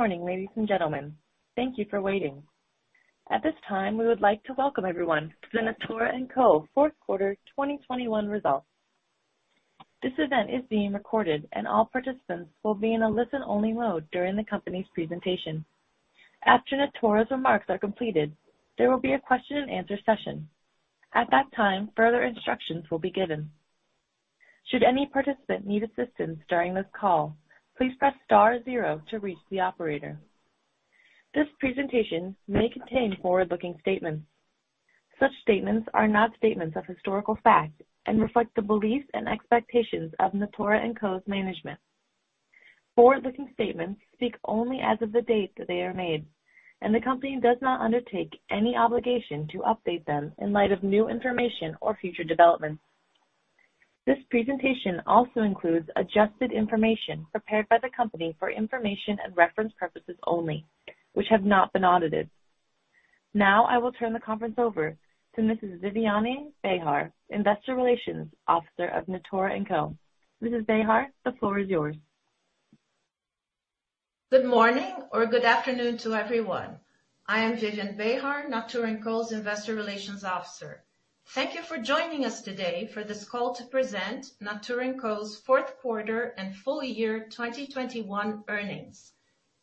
Good morning, ladies and gentlemen. Thank you for waiting. At this time, we would like to welcome everyone to the Natura &Co fourth quarter 2021 results. This event is being recorded and all participants will be in a listen-only mode during the company's presentation. After Natura's remarks are completed, there will be a question and answer session. At that time, further instructions will be given. Should any participant need assistance during this call, please press star zero to reach the operator. This presentation may contain forward-looking statements. Such statements are not statements of historical fact and reflect the beliefs and expectations of Natura &Co's management. Forward-looking statements speak only as of the date that they are made, and the company does not undertake any obligation to update them in light of new information or future developments. This presentation also includes adjusted information prepared by the company for information and reference purposes only, which have not been audited. Now, I will turn the conference over to Mrs. Viviane Behar, Investor Relations Officer of Natura &Co. Mrs. Behar, the floor is yours. Good morning or good afternoon to everyone. I am Viviane Behar, Natura &Co's Investor Relations Officer. Thank you for joining us today for this call to present Natura &Co's fourth quarter and full year 2021 earnings.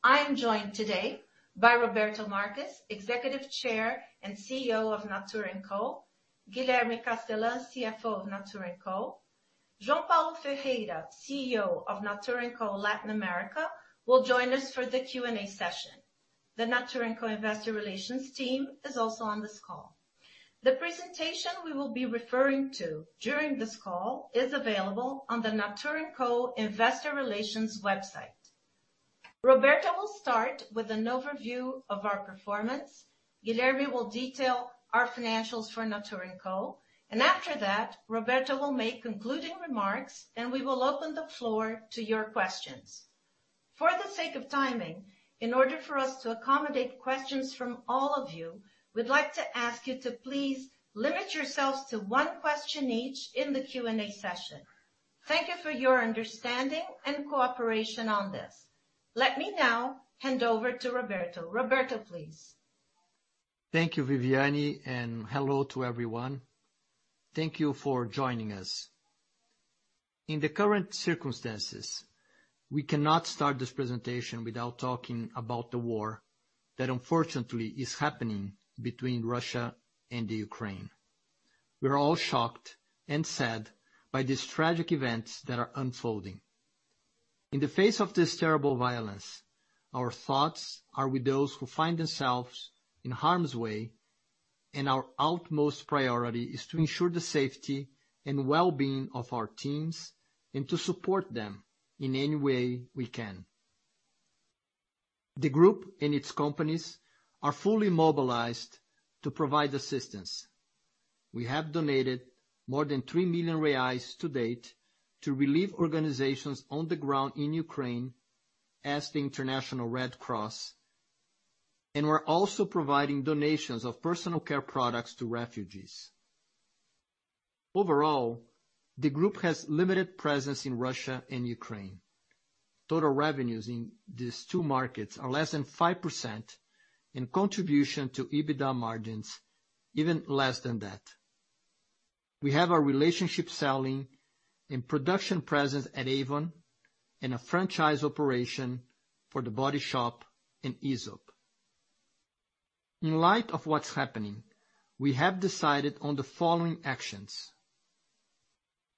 I am joined today by Roberto Marques, Executive Chair and CEO of Natura &Co, Guilherme Castellan, CFO of Natura &Co. João Paulo Ferreira, CEO of Natura &Co Latin America will join us for the Q&A session. The Natura &Co Investor Relations team is also on this call. The presentation we will be referring to during this call is available on the Natura &Co Investor Relations website. Roberto will start with an overview of our performance. Guilherme will detail our financials for Natura &Co, and after that, Roberto will make concluding remarks and we will open the floor to your questions. For the sake of timing, in order for us to accommodate questions from all of you, we'd like to ask you to please limit yourselves to one question each in the Q&A session. Thank you for your understanding and cooperation on this. Let me now hand over to Roberto. Roberto, please. Thank you, Viviane, and hello to everyone. Thank you for joining us. In the current circumstances, we cannot start this presentation without talking about the war that unfortunately is happening between Russia and Ukraine. We are all shocked and sad by these tragic events that are unfolding. In the face of this terrible violence, our thoughts are with those who find themselves in harm's way, and our utmost priority is to ensure the safety and well-being of our teams and to support them in any way we can. The group and its companies are fully mobilized to provide assistance. We have donated more than 3 million reais to date to relief organizations on the ground in Ukraine such as the International Red Cross, and we're also providing donations of personal care products to refugees. Overall, the group has limited presence in Russia and Ukraine. Total revenues in these two markets are less than 5%, and contribution to EBITDA margins, even less than that. We have our relationship selling and production presence at Avon and a franchise operation for The Body Shop and Aesop. In light of what's happening, we have decided on the following actions.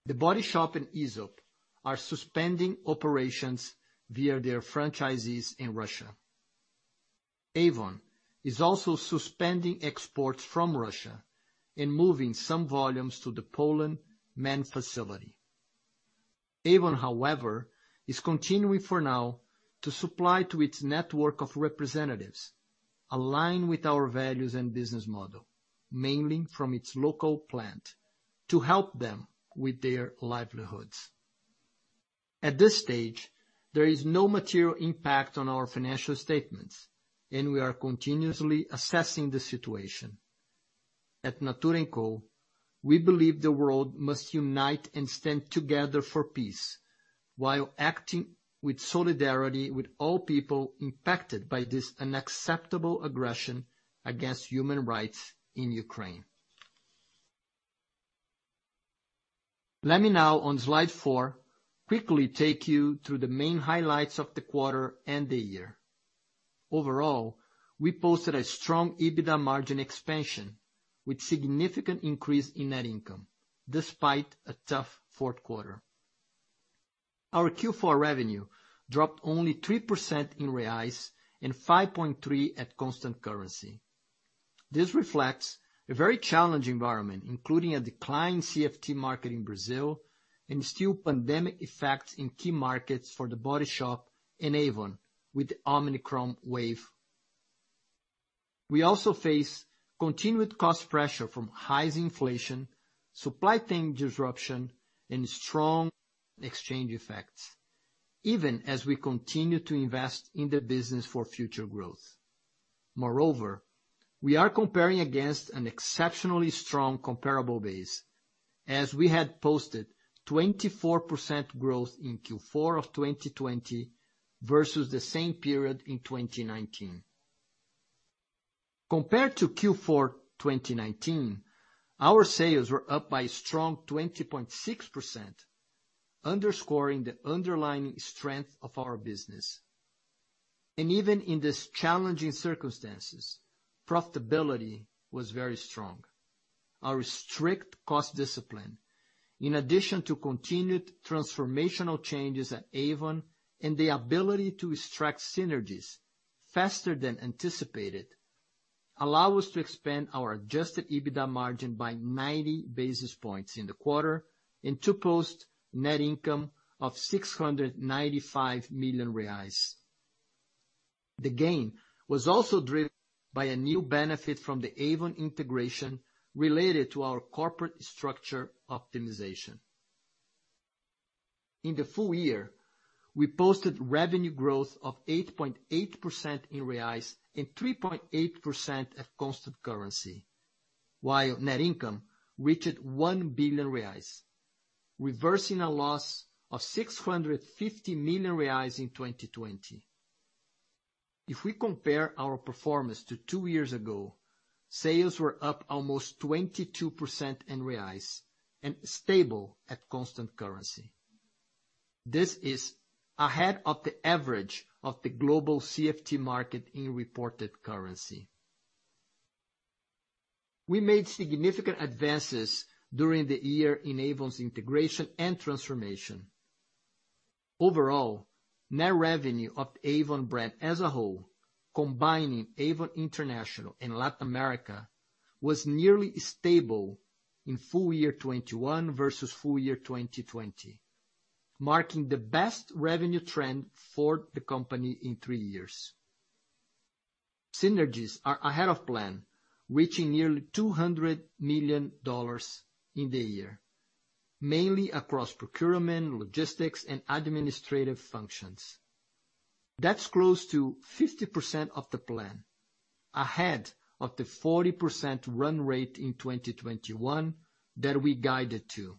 The Body Shop and Aesop are suspending operations via their franchisees in Russia. Avon is also suspending exports from Russia and moving some volumes to the Poland main facility. Avon, however, is continuing for now to supply to its network of representatives aligned with our values and business model, mainly from its local plant to help them with their livelihoods. At this stage, there is no material impact on our financial statements, and we are continuously assessing the situation. At Natura &Co, we believe the world must unite and stand together for peace while acting with solidarity with all people impacted by this unacceptable aggression against human rights in Ukraine. Let me now, on slide four, quickly take you through the main highlights of the quarter and the year. Overall, we posted a strong EBITDA margin expansion with significant increase in net income despite a tough fourth quarter. Our Q4 revenue dropped only 3% in reais and 5.3% at constant currency. This reflects a very challenging environment, including a decline in CFT market in Brazil and still pandemic effects in key markets for The Body Shop and Avon with the Omicron wave. We also face continued cost pressure from high inflation, supply chain disruption, and strong exchange effects, even as we continue to invest in the business for future growth. Moreover, we are comparing against an exceptionally strong comparable base as we had posted 24% growth in Q4 of 2020 versus the same period in 2019. Compared to Q4, 2019, our sales were up by a strong 20.6%, underscoring the underlying strength of our business. Even in these challenging circumstances, profitability was very strong. Our strict cost discipline, in addition to continued transformational changes at Avon and the ability to extract synergies faster than anticipated, allow us to expand our adjusted EBITDA margin by 90 basis points in the quarter and to post net income of 695 million reais. The gain was also driven by a new benefit from the Avon integration related to our corporate structure optimization. In the full year, we posted revenue growth of 8.8% in reais and 3.8% at constant currency, while net income reached 1 billion reais, reversing a loss of 650 million reais in 2020. If we compare our performance to two years ago, sales were up almost 22% in reais and stable at constant currency. This is ahead of the average of the global CFT market in reported currency. We made significant advances during the year in Avon's integration and transformation. Overall, net revenue of Avon brand as a whole, combining Avon International and Latin America, was nearly stable in full year 2021 versus full year 2020, marking the best revenue trend for the company in three years. Synergies are ahead of plan, reaching nearly $200 million in the year, mainly across procurement, logistics, and administrative functions. That's close to 50% of the plan, ahead of the 40% run rate in 2021 that we guided to.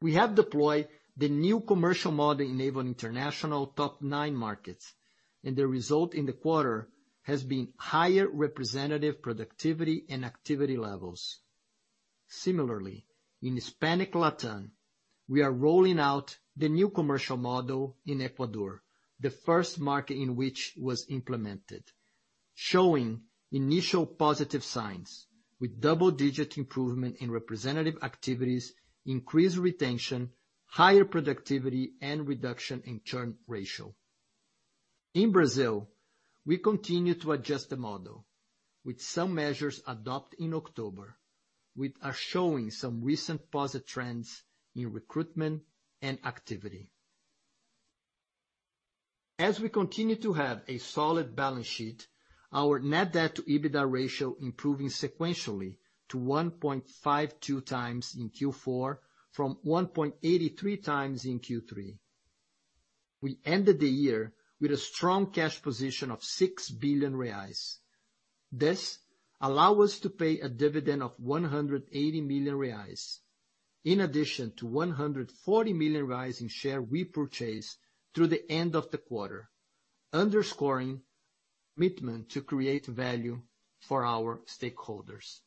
We have deployed the new commercial model in Avon International top nine markets, and the result in the quarter has been higher representative productivity and activity levels. Similarly, in Hispanic LATAM, we are rolling out the new commercial model in Ecuador, the first market in which it was implemented, showing initial positive signs with double-digit improvement in representative activities, increased retention, higher productivity, and reduction in churn ratio. In Brazil, we continue to adjust the model with some measures adopted in October, which are showing some recent positive trends in recruitment and activity. As we continue to have a solid balance sheet, our net debt to EBITDA ratio improving sequentially to 1.52x in Q4 from 1.83x in Q3. We ended the year with a strong cash position of 6 billion reais. This allow us to pay a dividend of 180 million reais, in addition to 140 million reais in share we purchased through the end of the quarter, underscoring commitment to create value for our stakeholders.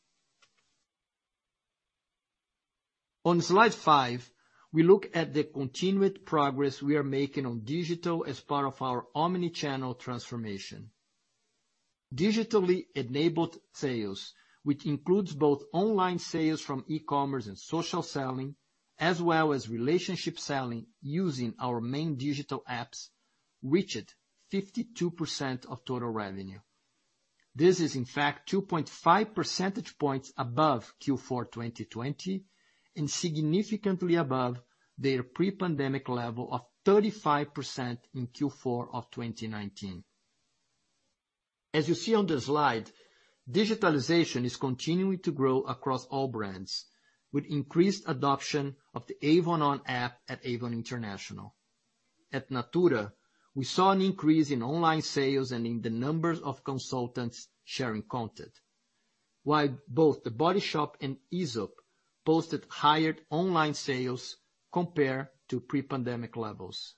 On slide five, we look at the continued progress we are making on digital as part of our omni-channel transformation. Digitally enabled sales, which includes both online sales from e-commerce and social selling, as well as relationship selling using our main digital apps, reached 52% of total revenue. This is in fact 2.5 percentage points above Q4 2020, and significantly above their pre-pandemic level of 35% in Q4 of 2019. As you see on the slide, digitalization is continuing to grow across all brands with increased adoption of the Avon ON app at Avon International. At Natura, we saw an increase in online sales and in the numbers of consultants sharing content, while both The Body Shop and Aesop posted higher online sales compared to pre-pandemic levels.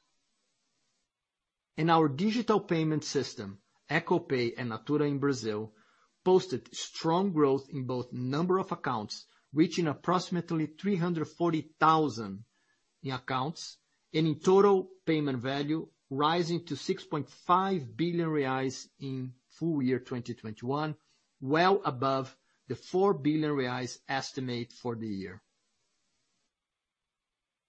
In our digital payment system, Ecopay, and Natura in Brazil, posted strong growth in both number of accounts, reaching approximately 340,000 accounts, and in total payment value, rising to 6.5 billion reais in full year 2021, well above the 4 billion reais estimate for the year.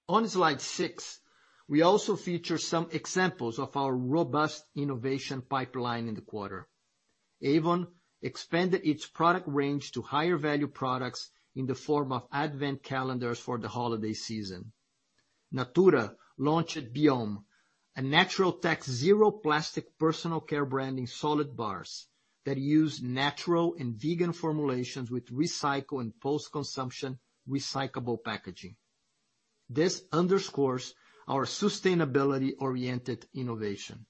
On slide six, we also feature some examples of our robust innovation pipeline in the quarter. Avon expanded its product range to higher value products in the form of advent calendars for the holiday season. Natura launched Biōme, a natural tech zero-plastic personal care brand in solid bars that use natural and vegan formulations with recycled and post-consumer recyclable packaging. This underscores our sustainability-oriented innovation.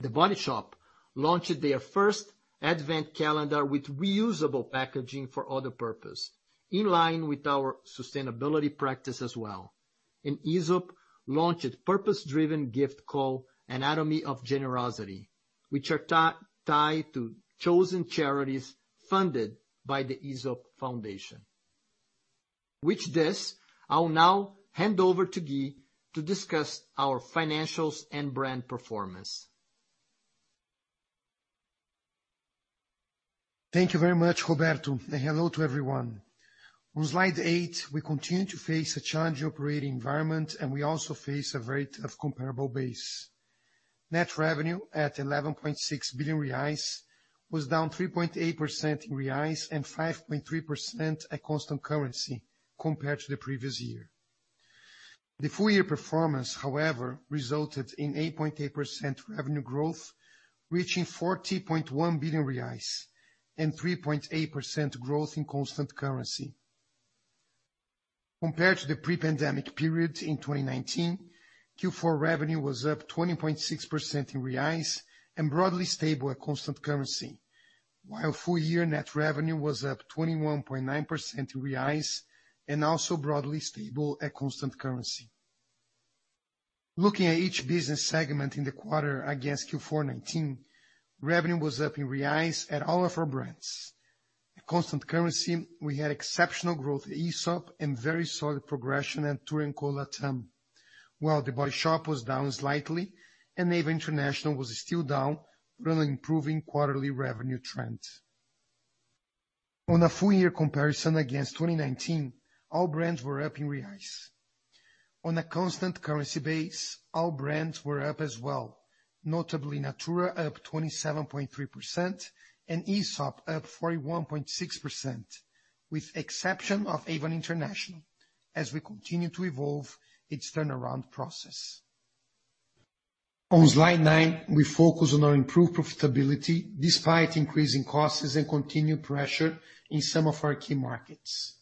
The Body Shop launched their first advent calendar with reusable packaging for other purposes, in line with our sustainability practice as well. Aesop launched purpose-driven gift called Anatomy of Generosity, which are tied to chosen charities funded by the Aesop Foundation. With this, I'll now hand over to Gui to discuss our financials and brand performance. Thank you very much, Roberto, and hello to everyone. On slide eight, we continue to face a challenging operating environment, and we also face a challenging comparable base. Net revenue at 11.6 billion reais was down 3.8% in reais and 5.3% at constant currency compared to the previous year. The full year performance, however, resulted in 8.8% revenue growth, reaching 40.1 billion reais and 3.8% growth in constant currency. Compared to the pre-pandemic period in 2019, Q4 revenue was up 20.6% in reais and broadly stable at constant currency, while full year net revenue was up 21.9% in reais and also broadly stable at constant currency. Looking at each business segment in the quarter against Q4 2019, revenue was up in reais at all of our brands. At constant currency, we had exceptional growth at Aesop and very solid progression at Natura &Co LATAM, while The Body Shop was down slightly, and Avon International was still down, running improving quarterly revenue trends. On a full year comparison against 2019, all brands were up in reais. On a constant currency base, all brands were up as well, notably Natura up 27.3% and Aesop up 41.6%, with the exception of Avon International as we continue to evolve its turnaround process. On slide nine, we focus on our improved profitability despite increasing costs and continued pressure in some of our key markets.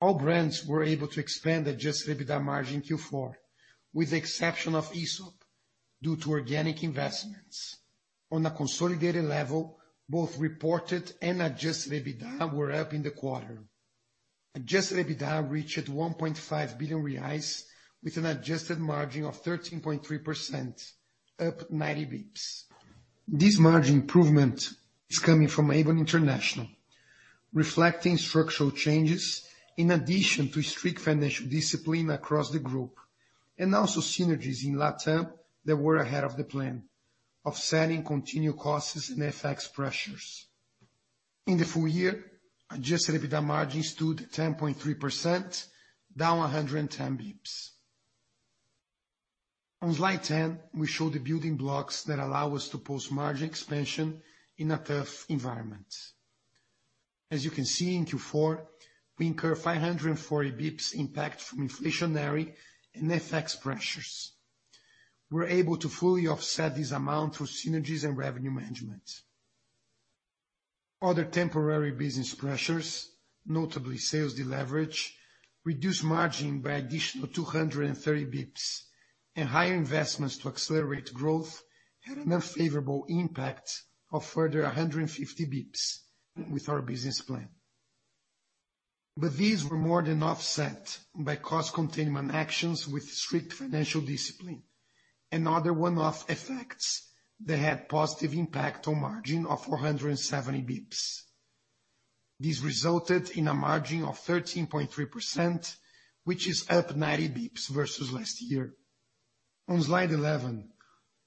All brands were able to expand adjusted EBITDA margin in Q4, with the exception of Aesop due to organic investments. On a consolidated level, both reported and adjusted EBITDA were up in the quarter. Adjusted EBITDA reached 1.5 billion reais with an adjusted margin of 13.3%, up 90 basis points. This margin improvement is coming from Avon International, reflecting structural changes in addition to strict financial discipline across the group, and also synergies in LATAM that were ahead of the plan, offsetting continued costs and FX pressures. In the full year, adjusted EBITDA margin stood 10.3%, down 110 basis points. On slide 10, we show the building blocks that allow us to post margin expansion in a tough environment. As you can see in Q4, we incur 540 basis points impact from inflationary and FX pressures. We're able to fully offset this amount through synergies and revenue management. Other temporary business pressures, notably sales deleverage, reduced margin by an additional 230 basis points, and higher investments to accelerate growth had an unfavorable impact of a further 150 basis points with our business plan. These were more than offset by cost containment actions with strict financial discipline and other one-off effects that had positive impact on margin of 470 basis points. This resulted in a margin of 13.3%, which is up 90 basis points versus last year. On slide 11,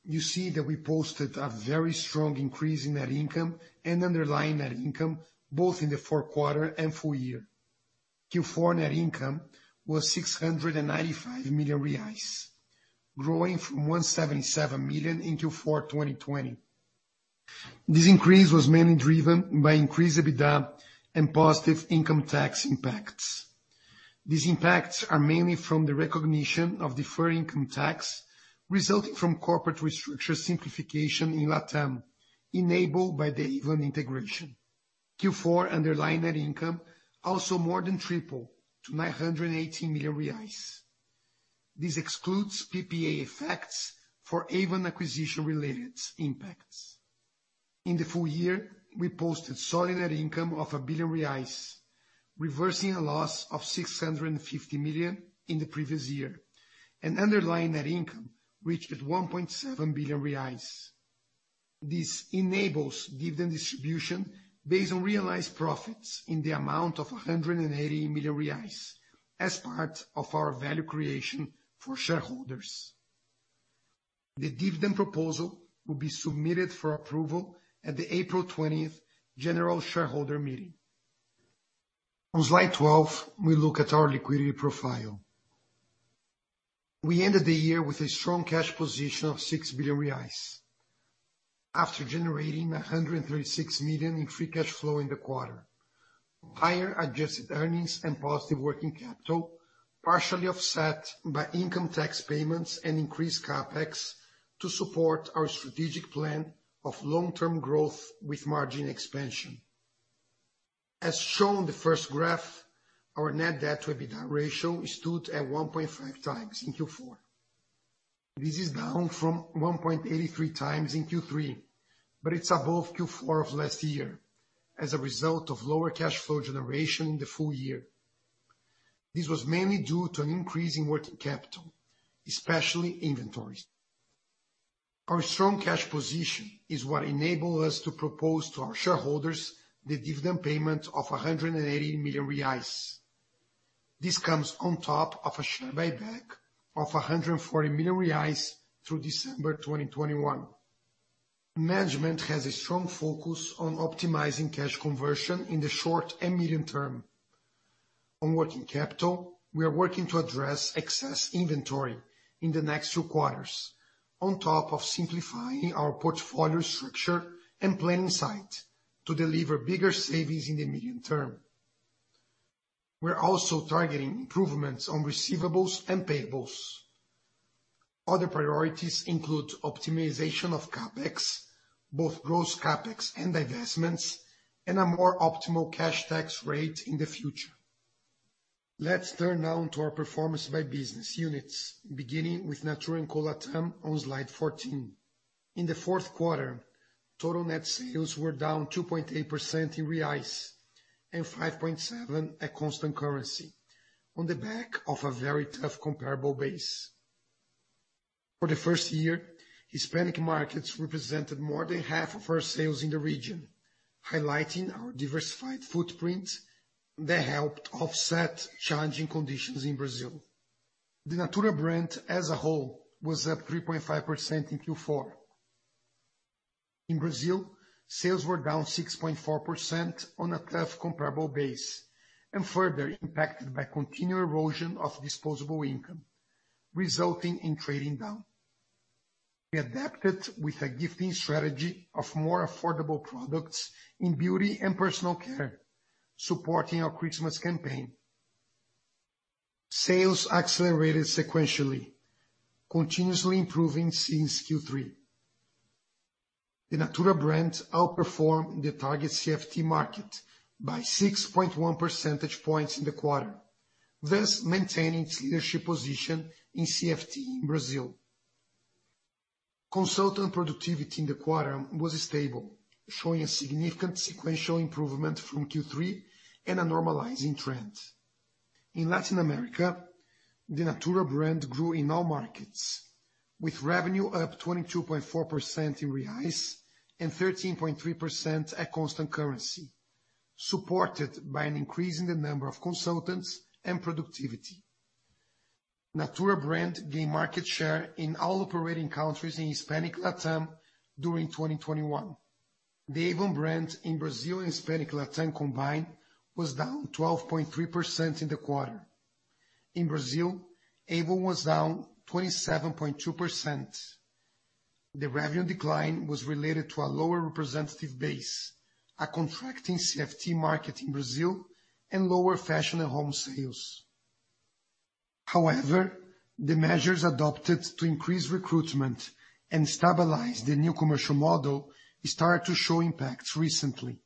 you see that we posted a very strong increase in net income and underlying net income, both in the fourth quarter and full year. Q4 net income was 695 million reais, growing from 177 million in Q4 2020. This increase was mainly driven by increased EBITDA and positive income tax impacts. These impacts are mainly from the recognition of deferred income tax resulting from corporate restructure simplification in LATAM enabled by the Avon integration. Q4 underlying net income also more than tripled to 980 million reais. This excludes PPA effects for Avon acquisition related impacts. In the full year, we posted solid net income of 1 billion reais, reversing a loss of 650 million in the previous year. Underlying net income reached at 1.7 billion reais. This enables dividend distribution based on realized profits in the amount of 180 million reais as part of our value creation for shareholders. The dividend proposal will be submitted for approval at the April 20th general shareholder meeting. On slide 12, we look at our liquidity profile. We ended the year with a strong cash position of 6 billion reais after generating 136 million in free cash flow in the quarter. Higher adjusted earnings and positive working capital, partially offset by income tax payments and increased CapEx to support our strategic plan of long-term growth with margin expansion. As shown the first graph, our net debt to EBITDA ratio stood at 1.5x in Q4. This is down from 1.83x in Q3, but it's above Q4 of last year as a result of lower cash flow generation in the full year. This was mainly due to an increase in working capital, especially inventories. Our strong cash position is what enabled us to propose to our shareholders the dividend payment of 180 million reais. This comes on top of a share buyback of 140 million reais through December 2021. Management has a strong focus on optimizing cash conversion in the short and medium term. On working capital, we are working to address excess inventory in the next two quarters, on top of simplifying our portfolio structure and plant sites to deliver bigger savings in the medium term. We are also targeting improvements on receivables and payables. Other priorities include optimization of CapEx, both gross CapEx and divestments, and a more optimal cash tax rate in the future. Let's turn now to our performance by business units, beginning with Natura &Co LATAM on slide 14. In the fourth quarter, total net sales were down 2.8% in reais and 5.7% at constant currency on the back of a very tough comparable base. For the first year, Hispanic markets represented more than half of our sales in the region, highlighting our diversified footprint that helped offset challenging conditions in Brazil. The Natura brand as a whole was up 3.5% in Q4. In Brazil, sales were down 6.4% on a tough comparable base and further impacted by continued erosion of disposable income, resulting in trading down. We adapted with a gifting strategy of more affordable products in beauty and personal care, supporting our Christmas campaign. Sales accelerated sequentially, continuously improving since Q3. The Natura brand outperformed the target CFT market by 6.1 percentage points in the quarter, thus maintaining its leadership position in CFT in Brazil. Consultant productivity in the quarter was stable, showing a significant sequential improvement from Q3 and a normalizing trend. In Latin America, the Natura brand grew in all markets, with revenue up 22.4% in reais and 13.3% at constant currency, supported by an increase in the number of consultants and productivity. Natura brand gained market share in all operating countries in Hispanic LATAM during 2021. The Avon brand in Brazil and Hispanic LATAM combined was down 12.3% in the quarter. In Brazil, Avon was down 27.2%. The revenue decline was related to a lower representative base, a contracting CFT market in Brazil, and lower fashion and home sales. However, the measures adopted to increase recruitment and stabilize the new commercial model started to show impact recently.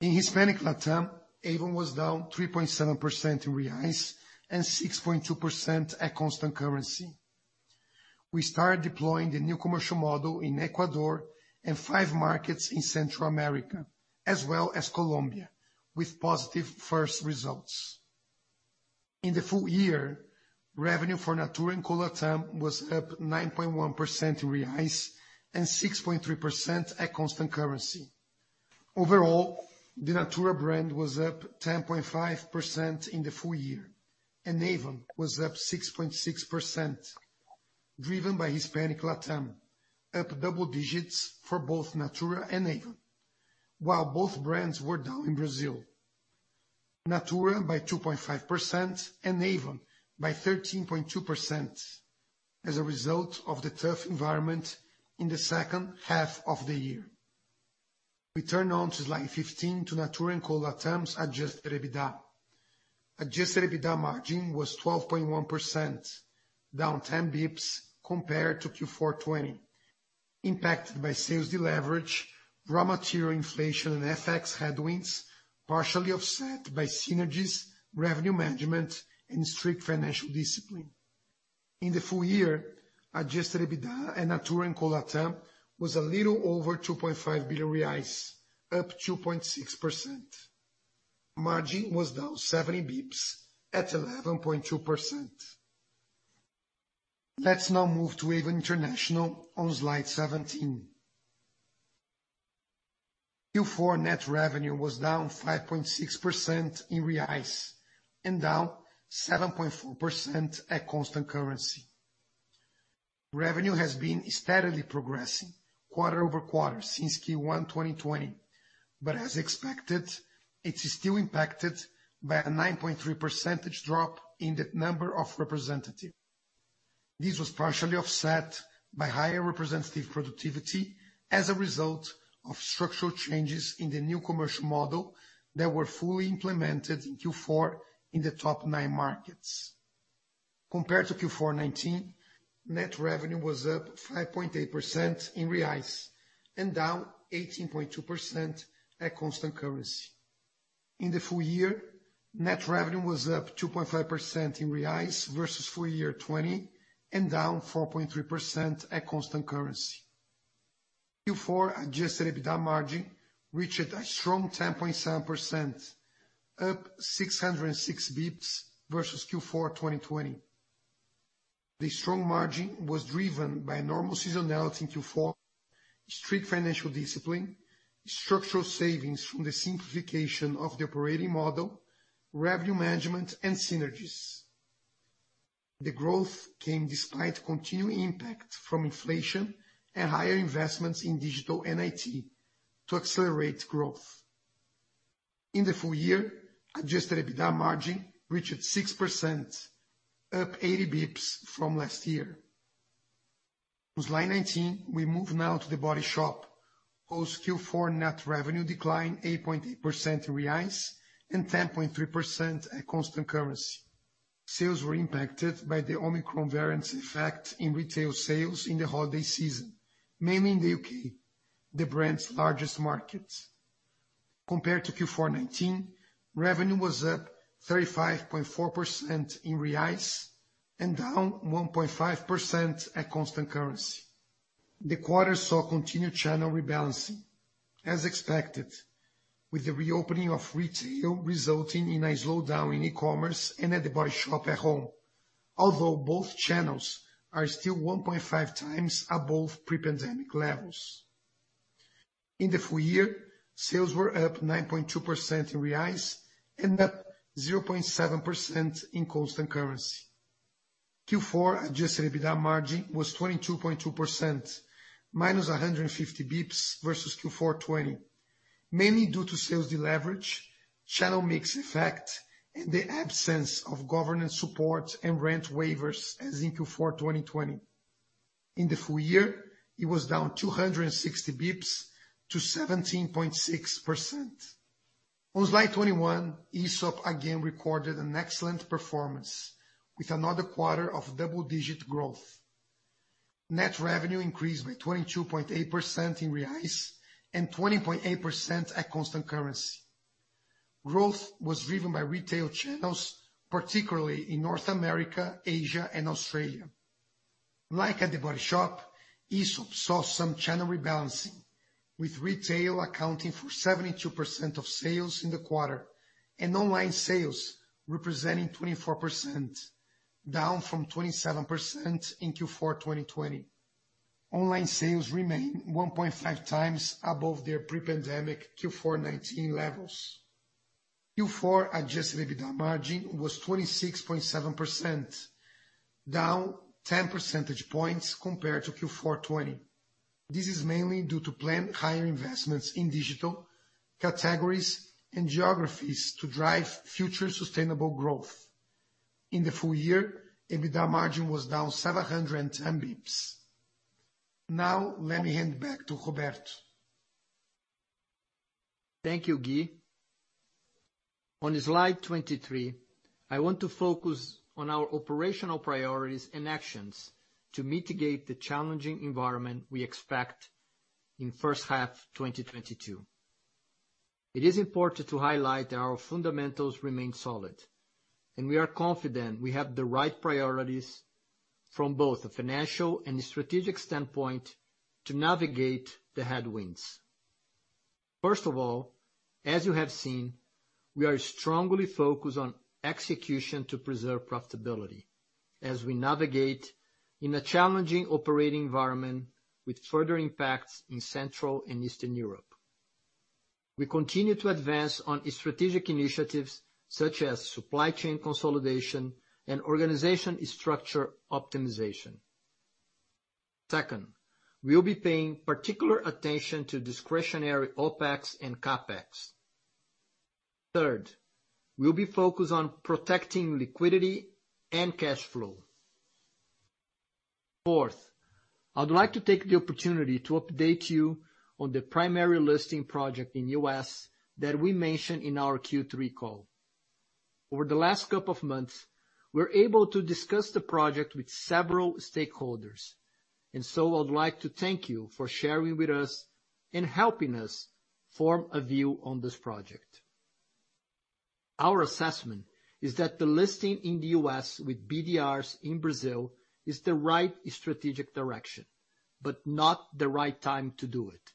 In Hispanic LATAM, Avon was down 3.7% in reais and 6.2% at constant currency. We started deploying the new commercial model in Ecuador and five markets in Central America, as well as Colombia, with positive first results. In the full year, revenue for Natura &Co LATAM was up 9.1% in reais and 6.3% at constant currency. Overall, the Natura brand was up 10.5% in the full year, and Avon was up 6.6%, driven by Hispanic LATAM, up double digits for both Natura and Avon. While both brands were down in Brazil, Natura by 2.5% and Avon by 13.2% as a result of the tough environment in the second half of the year. We turn now to slide 15 to Natura &Co LATAM's adjusted EBITDA. Adjusted EBITDA margin was 12.1%, down 10 basis points compared to Q4 2020, impacted by sales deleverage, raw material inflation, and FX headwinds, partially offset by synergies, revenue management, and strict financial discipline. In the full year, adjusted EBITDA at Natura &Co LATAM was a little over 2.5 billion reais, up 2.6%. Margin was down 70 basis points at 11.2%. Let's now move to Avon International on slide 17. Q4 net revenue was down 5.6% in reais and down 7.4% at constant currency. Revenue has been steadily progressing quarter-over-quarter since Q1 2020, but as expected, it is still impacted by a 9.3% drop in the number of representatives. This was partially offset by higher representative productivity as a result of structural changes in the new commercial model that were fully implemented in Q4 in the top nine markets. Compared to Q4 2019, net revenue was up 5.8% in reais and down 18.2% at constant currency. In the full year, net revenue was up 2.5% in reais versus full year 2020, and down 4.3% at constant currency. Q4 adjusted EBITDA margin reached a strong 10.7%, up 606 basis points versus Q4 2020. The strong margin was driven by normal seasonality in Q4, strict financial discipline, structural savings from the simplification of the operating model, revenue management and synergies. The growth came despite continued impact from inflation and higher investments in digital and IT to accelerate growth. In the full year, adjusted EBITDA margin reached 6%, up 80 basis points from last year. On slide 19, we move now to The Body Shop, whose Q4 net revenue declined 8.8% in reais and 10.3% at constant currency. Sales were impacted by the Omicron variant's effect in retail sales in the holiday season, mainly in the U.K., the brand's largest market. Compared to Q4 2019, revenue was up 35.4% in reais and down 1.5% at constant currency. The quarter saw continued channel rebalancing as expected, with the reopening of retail resulting in a slowdown in e-commerce and at The Body Shop At Home. Although both channels are still 1.5x above pre-pandemic levels. In the full year, sales were up 9.2% in reais and up 0.7% in constant currency. Q4 adjusted EBITDA margin was 22.2%, -150 basis points versus Q4 2020, mainly due to sales deleverage, channel mix effect, and the absence of government support and rent waivers as in Q4 2020. In the full year, it was down 260 basis points to 17.6%. On slide 21, Aesop again recorded an excellent performance with another quarter of double-digit growth. Net revenue increased by 22.8% in reais and 20.8% at constant currency. Growth was driven by retail channels, particularly in North America, Asia and Australia. Like at The Body Shop, Aesop saw some channel rebalancing, with retail accounting for 72% of sales in the quarter, and online sales representing 24%, down from 27% in Q4 2020. Online sales remain 1.5x above their pre-pandemic Q4 2019 levels. Q4 adjusted EBITDA margin was 26.7%, down 10 percentage points compared to Q4 2020. This is mainly due to planned higher investments in digital, categories, and geographies to drive future sustainable growth. In the full year, EBITDA margin was down 700 basis points. Now let me hand back to Roberto. Thank you, Gui. On slide 23, I want to focus on our operational priorities and actions to mitigate the challenging environment we expect in first half 2022. It is important to highlight that our fundamentals remain solid, and we are confident we have the right priorities from both a financial and strategic standpoint to navigate the headwinds. First of all, as you have seen, we are strongly focused on execution to preserve profitability as we navigate in a challenging operating environment with further impacts in Central and Eastern Europe. We continue to advance on strategic initiatives such as supply chain consolidation and organization structure optimization. Second, we'll be paying particular attention to discretionary OpEx and CapEx. Third, we'll be focused on protecting liquidity and cash flow. Fourth, I'd like to take the opportunity to update you on the primary listing project in the U.S. that we mentioned in our Q3 call. Over the last couple of months, we're able to discuss the project with several stakeholders, and so I'd like to thank you for sharing with us and helping us form a view on this project. Our assessment is that the listing in the U.S. with BDRs in Brazil is the right strategic direction, but not the right time to do it,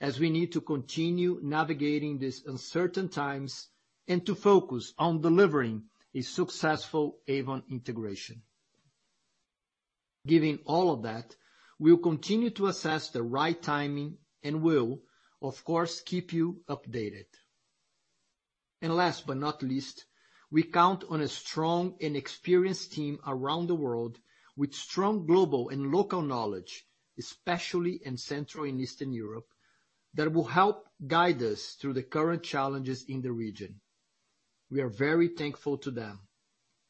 as we need to continue navigating these uncertain times and to focus on delivering a successful Avon integration. Given all of that, we'll continue to assess the right timing and will, of course, keep you updated. Last but not least, we count on a strong and experienced team around the world with strong global and local knowledge, especially in Central and Eastern Europe, that will help guide us through the current challenges in the region. We are very thankful to them.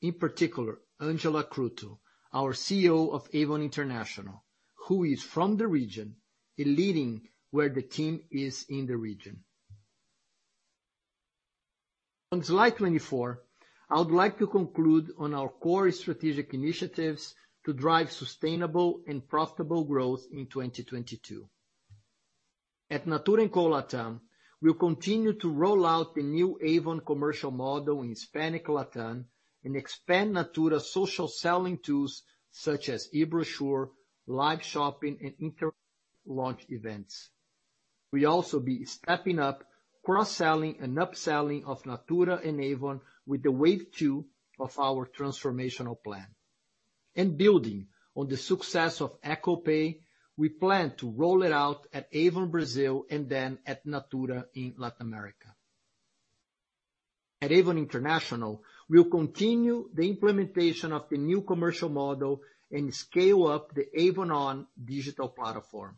In particular, Angela Cretu, our CEO of Avon International, who is from the region and leading where the team is in the region. On slide 24, I would like to conclude on our core strategic initiatives to drive sustainable and profitable growth in 2022. At Natura &Co LATAM, we'll continue to roll out the new Avon commercial model in Hispanic LATAM and expand Natura social selling tools such as eBrochure, live shopping, and inter-launch events. We'll also be stepping up cross-selling and upselling of Natura and Avon with the wave two of our transformational plan. Building on the success of Ecopay, we plan to roll it out at Avon Brazil and then at Natura in Latin America. At Avon International, we'll continue the implementation of the new commercial model and scale up the Avon ON digital platform.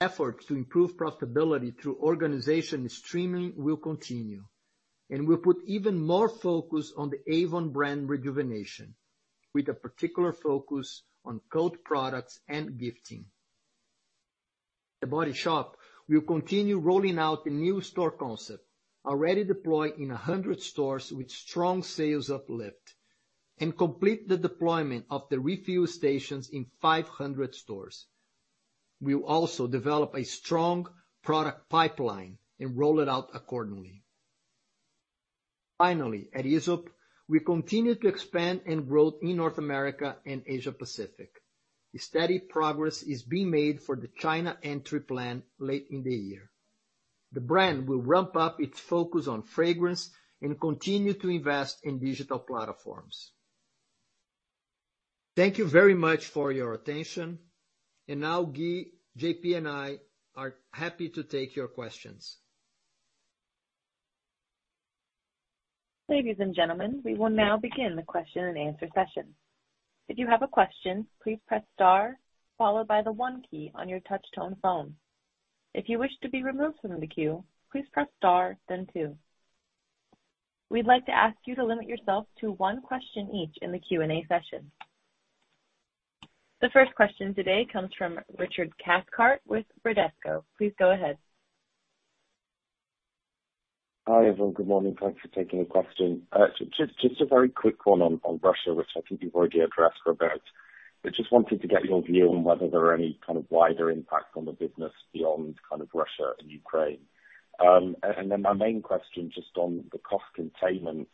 Efforts to improve profitability through organization streaming will continue, and we'll put even more focus on the Avon brand rejuvenation, with a particular focus on core products and gifting. At The Body Shop, we'll continue rolling out the new store concept, already deployed in 100 stores with strong sales uplift and complete the deployment of the refill stations in 500 stores. We'll also develop a strong product pipeline and roll it out accordingly. Finally, at Aesop, we continue to expand and grow in North America and Asia Pacific. Steady progress is being made for the China entry plan late in the year. The brand will ramp up its focus on fragrance and continue to invest in digital platforms. Thank you very much for your attention. Now, Gui, JP, and I are happy to take your questions. Ladies and gentlemen, we will now begin the question-and-answer session. If you have a question, please press star followed by the one key on your touch tone phone. If you wish to be removed from the queue, please press star then two. We'd like to ask you to limit yourself to one question each in the Q&A session. The first question today comes from Richard Cathcart with Bradesco. Please go ahead. Hi, everyone. Good morning. Thanks for taking the question. Just a very quick one on Russia, which I think you've already addressed, Robert. I just wanted to get your view on whether there are any kind of wider impact on the business beyond kind of Russia and Ukraine. Then my main question, just on the cost containment,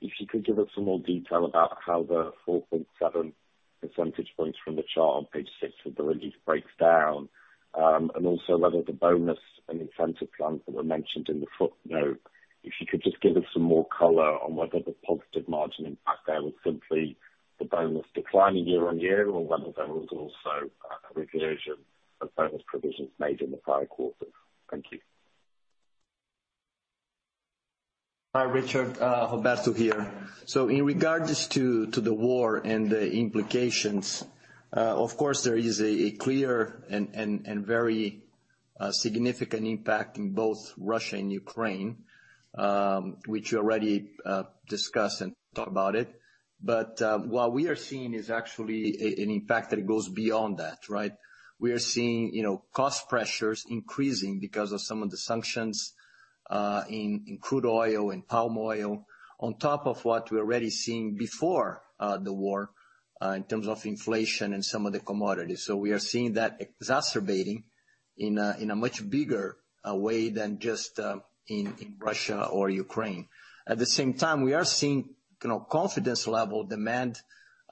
if you could give us some more detail about how the 4.7 percentage points from the chart on page six of the release breaks down, and also whether the bonus and incentive plans that were mentioned in the footnote, if you could just give us some more color on whether the positive margin impact there was simply the bonus declining year-on-year or whether there was also reversion of bonus provisions made in the prior quarter. Thank you. Hi, Richard. Roberto here. In regards to the war and the implications, of course, there is a clear and very significant impact in both Russia and Ukraine, which you already discussed and talked about it. What we are seeing is actually an impact that goes beyond that, right? We are seeing, you know, cost pressures increasing because of some of the sanctions in crude oil and palm oil on top of what we're already seeing before the war in terms of inflation and some of the commodities. We are seeing that exacerbating in a much bigger way than just in Russia or Ukraine. At the same time, we are seeing, you know, confidence level demand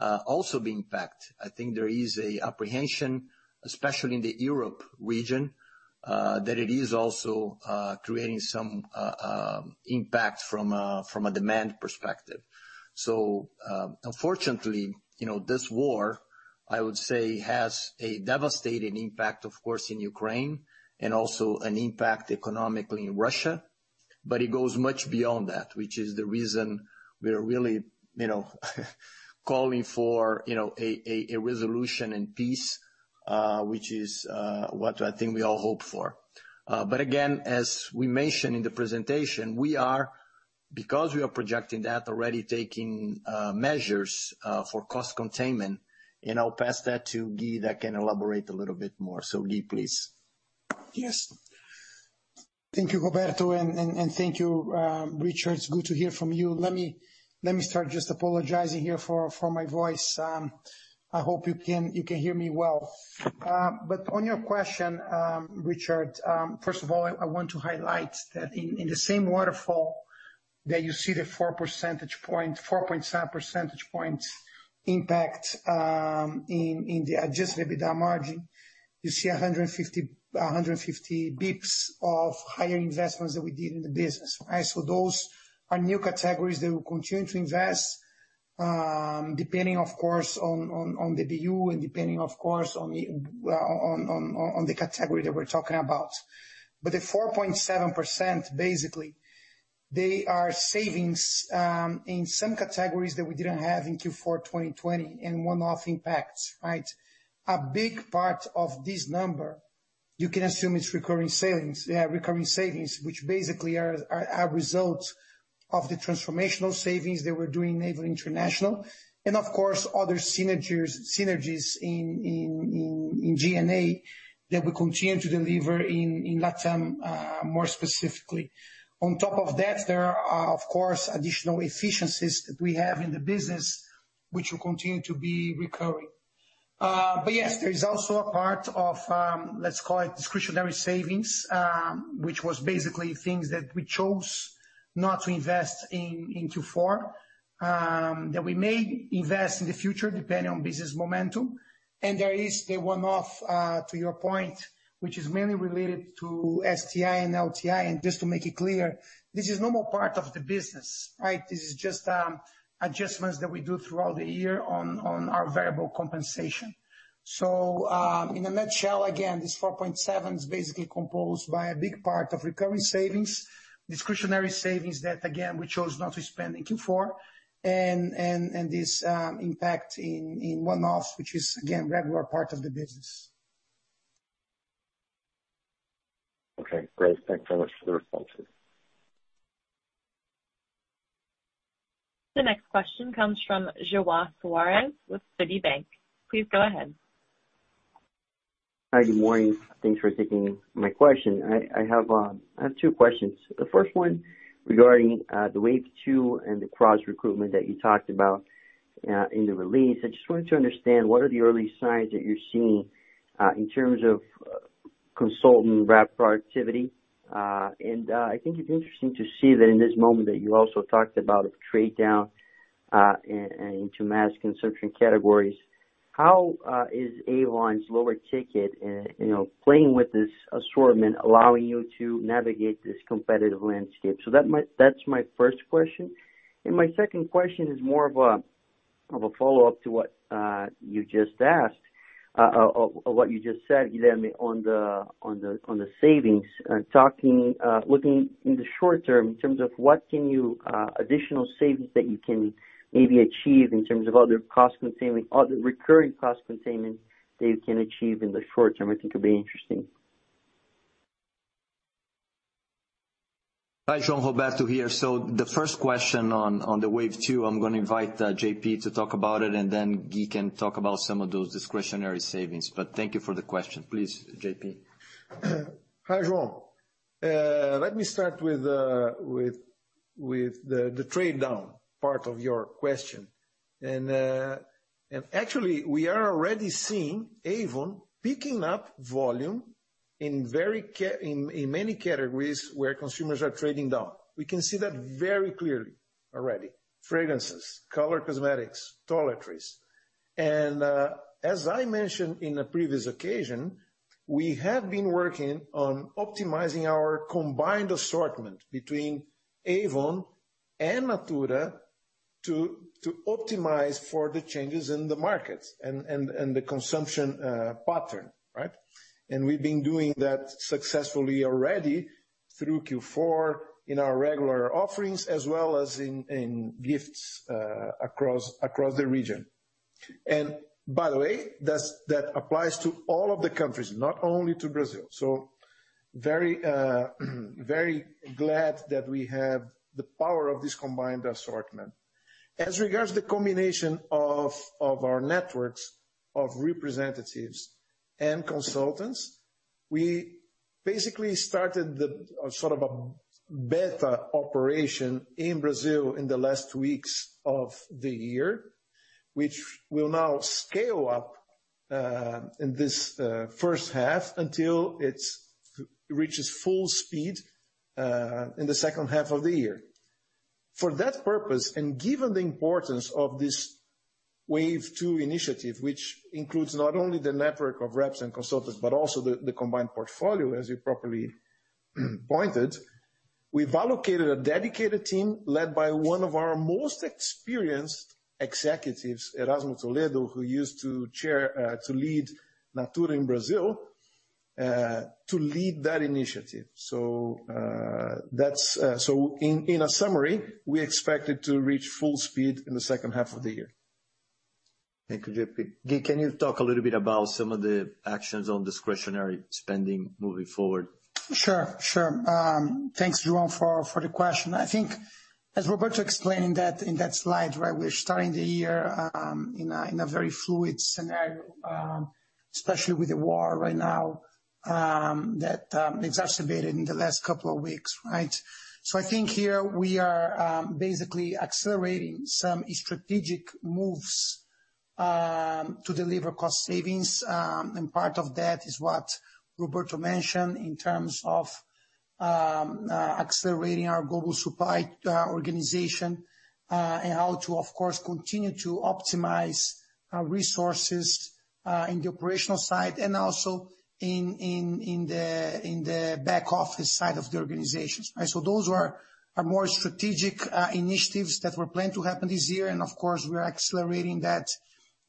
also being impacted. I think there is an apprehension, especially in the Europe region, that it is also creating some impact from a demand perspective. Unfortunately, you know, this war, I would say, has a devastating impact, of course, in Ukraine and also an impact economically in Russia. It goes much beyond that, which is the reason we're really, you know, calling for a resolution and peace, which is what I think we all hope for. Again, as we mentioned in the presentation, we are projecting that already taking measures for cost containment, and I'll pass that to Gui that can elaborate a little bit more. Gui, please. Yes. Thank you, Roberto. Thank you, Richard. It's good to hear from you. Let me start just apologizing here for my voice. I hope you can hear me well. But on your question, Richard, first of all, I want to highlight that in the same waterfall that you see the 4.7 percentage points impact in the adjusted EBITDA margin, you see 150 basis points of higher investments that we did in the business. Right? Those are new categories that we'll continue to invest depending, of course, on the BU and depending, of course, on the category that we're talking about. The 4.7%, basically they are savings in some categories that we didn't have in Q4 2020 and one-off impacts, right? A big part of this number, you can assume it's recurring savings. Recurring savings, which basically are results of the transformational savings that we're doing Avon International, and of course, other synergies in G&A that we continue to deliver in LATAM, more specifically. On top of that, there are of course additional efficiencies that we have in the business, which will continue to be recurring. Yes, there is also a part of, let's call it discretionary savings, which was basically things that we chose not to invest in Q4, that we may invest in the future depending on business momentum. There is the one-off to your point, which is mainly related to STI and LTI. Just to make it clear, this is normal part of the business, right? This is just adjustments that we do throughout the year on our variable compensation. In a nutshell, again, this 4.7% is basically composed by a big part of recurring savings, discretionary savings that again, we chose not to spend in Q4, and this impact in one-offs, which is again, regular part of the business. Okay, great. Thanks so much for the responses. The next question comes from João Soares with Citibank. Please go ahead. Hi, good morning. Thanks for taking my question. I have two questions. The first one regarding the wave two and the cross recruitment that you talked about in the release. I just wanted to understand what are the early signs that you're seeing in terms of consultant rep productivity? I think it's interesting to see that in this moment that you also talked about a trade down and into mass consumption categories. How is Avon's lower ticket playing with this assortment, allowing you to navigate this competitive landscape? That's my first question. My second question is more of a follow-up to what you just said, Guilherme, on the savings. Talking, looking in the short term in terms of additional savings that you can maybe achieve in terms of other cost containment, other recurring cost containments that you can achieve in the short term, I think will be interesting. Hi, João. Roberto here. The first question on the wave two, I'm gonna invite JP to talk about it, and then Gui can talk about some of those discretionary savings. Thank you for the question. Please, JP. Hi, João. Let me start with the trade-down part of your question. Actually, we are already seeing Avon picking up volume in many categories where consumers are trading down. We can see that very clearly already. Fragrances, color cosmetics, toiletries. As I mentioned in a previous occasion, we have been working on optimizing our combined assortment between Avon and Natura to optimize for the changes in the markets and the consumption pattern, right? We've been doing that successfully already through Q4 in our regular offerings, as well as in gifts across the region. By the way, that applies to all of the countries, not only to Brazil. Very glad that we have the power of this combined assortment. As regards the combination of our networks of representatives and consultants, we basically started a sort of beta operation in Brazil in the last weeks of the year, which will now scale up in this first half until it reaches full speed in the second half of the year. For that purpose, and given the importance of this wave two initiative, which includes not only the network of reps and consultants, but also the combined portfolio, as you properly pointed, we've allocated a dedicated team led by one of our most experienced executives, Erasmo Toledo, who used to lead Natura in Brazil, to lead that initiative. In summary, we expect it to reach full speed in the second half of the year. Thank you, JP. Gui, can you talk a little bit about some of the actions on discretionary spending moving forward? Sure. Thanks, João, for the question. I think as Roberto explained in that slide, right, we're starting the year in a very fluid scenario, especially with the war right now that exacerbated in the last couple of weeks, right? I think here we are basically accelerating some strategic moves to deliver cost savings. Part of that is what Roberto mentioned in terms of accelerating our global supply organization and how to, of course, continue to optimize our resources in the operational side and also in the back office side of the organizations. Right? Those are more strategic initiatives that were planned to happen this year, and of course, we are accelerating that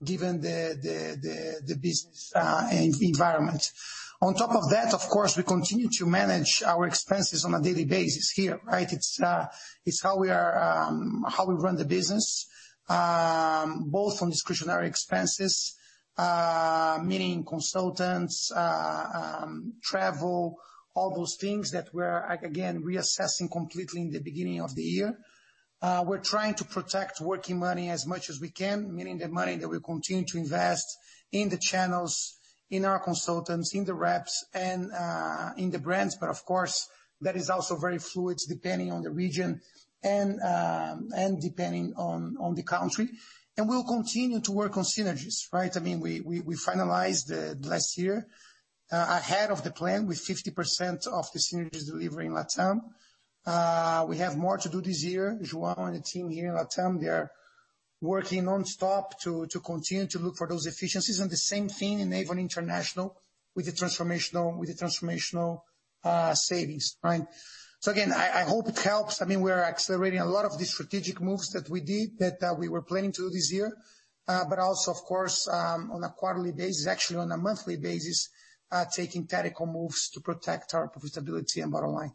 given the business environment. On top of that, of course, we continue to manage our expenses on a daily basis here, right? It's how we run the business, both on discretionary expenses, meaning consultants, travel, all those things that we're again reassessing completely in the beginning of the year. We're trying to protect working money as much as we can. Meaning the money that we continue to invest in the channels, in our consultants, in the reps and in the brands. Of course, that is also very fluid depending on the region and depending on the country. We'll continue to work on synergies, right? I mean, we finalized the last year ahead of the plan with 50% of the synergies delivery in LATAM. We have more to do this year. João and the team here in LATAM, they are working nonstop to continue to look for those efficiencies. The same thing in Avon International with the transformational savings, right? Again, I hope it helps. I mean, we're accelerating a lot of the strategic moves that we did that we were planning to do this year. But also, of course, on a quarterly basis, actually on a monthly basis, taking tactical moves to protect our profitability and bottom line.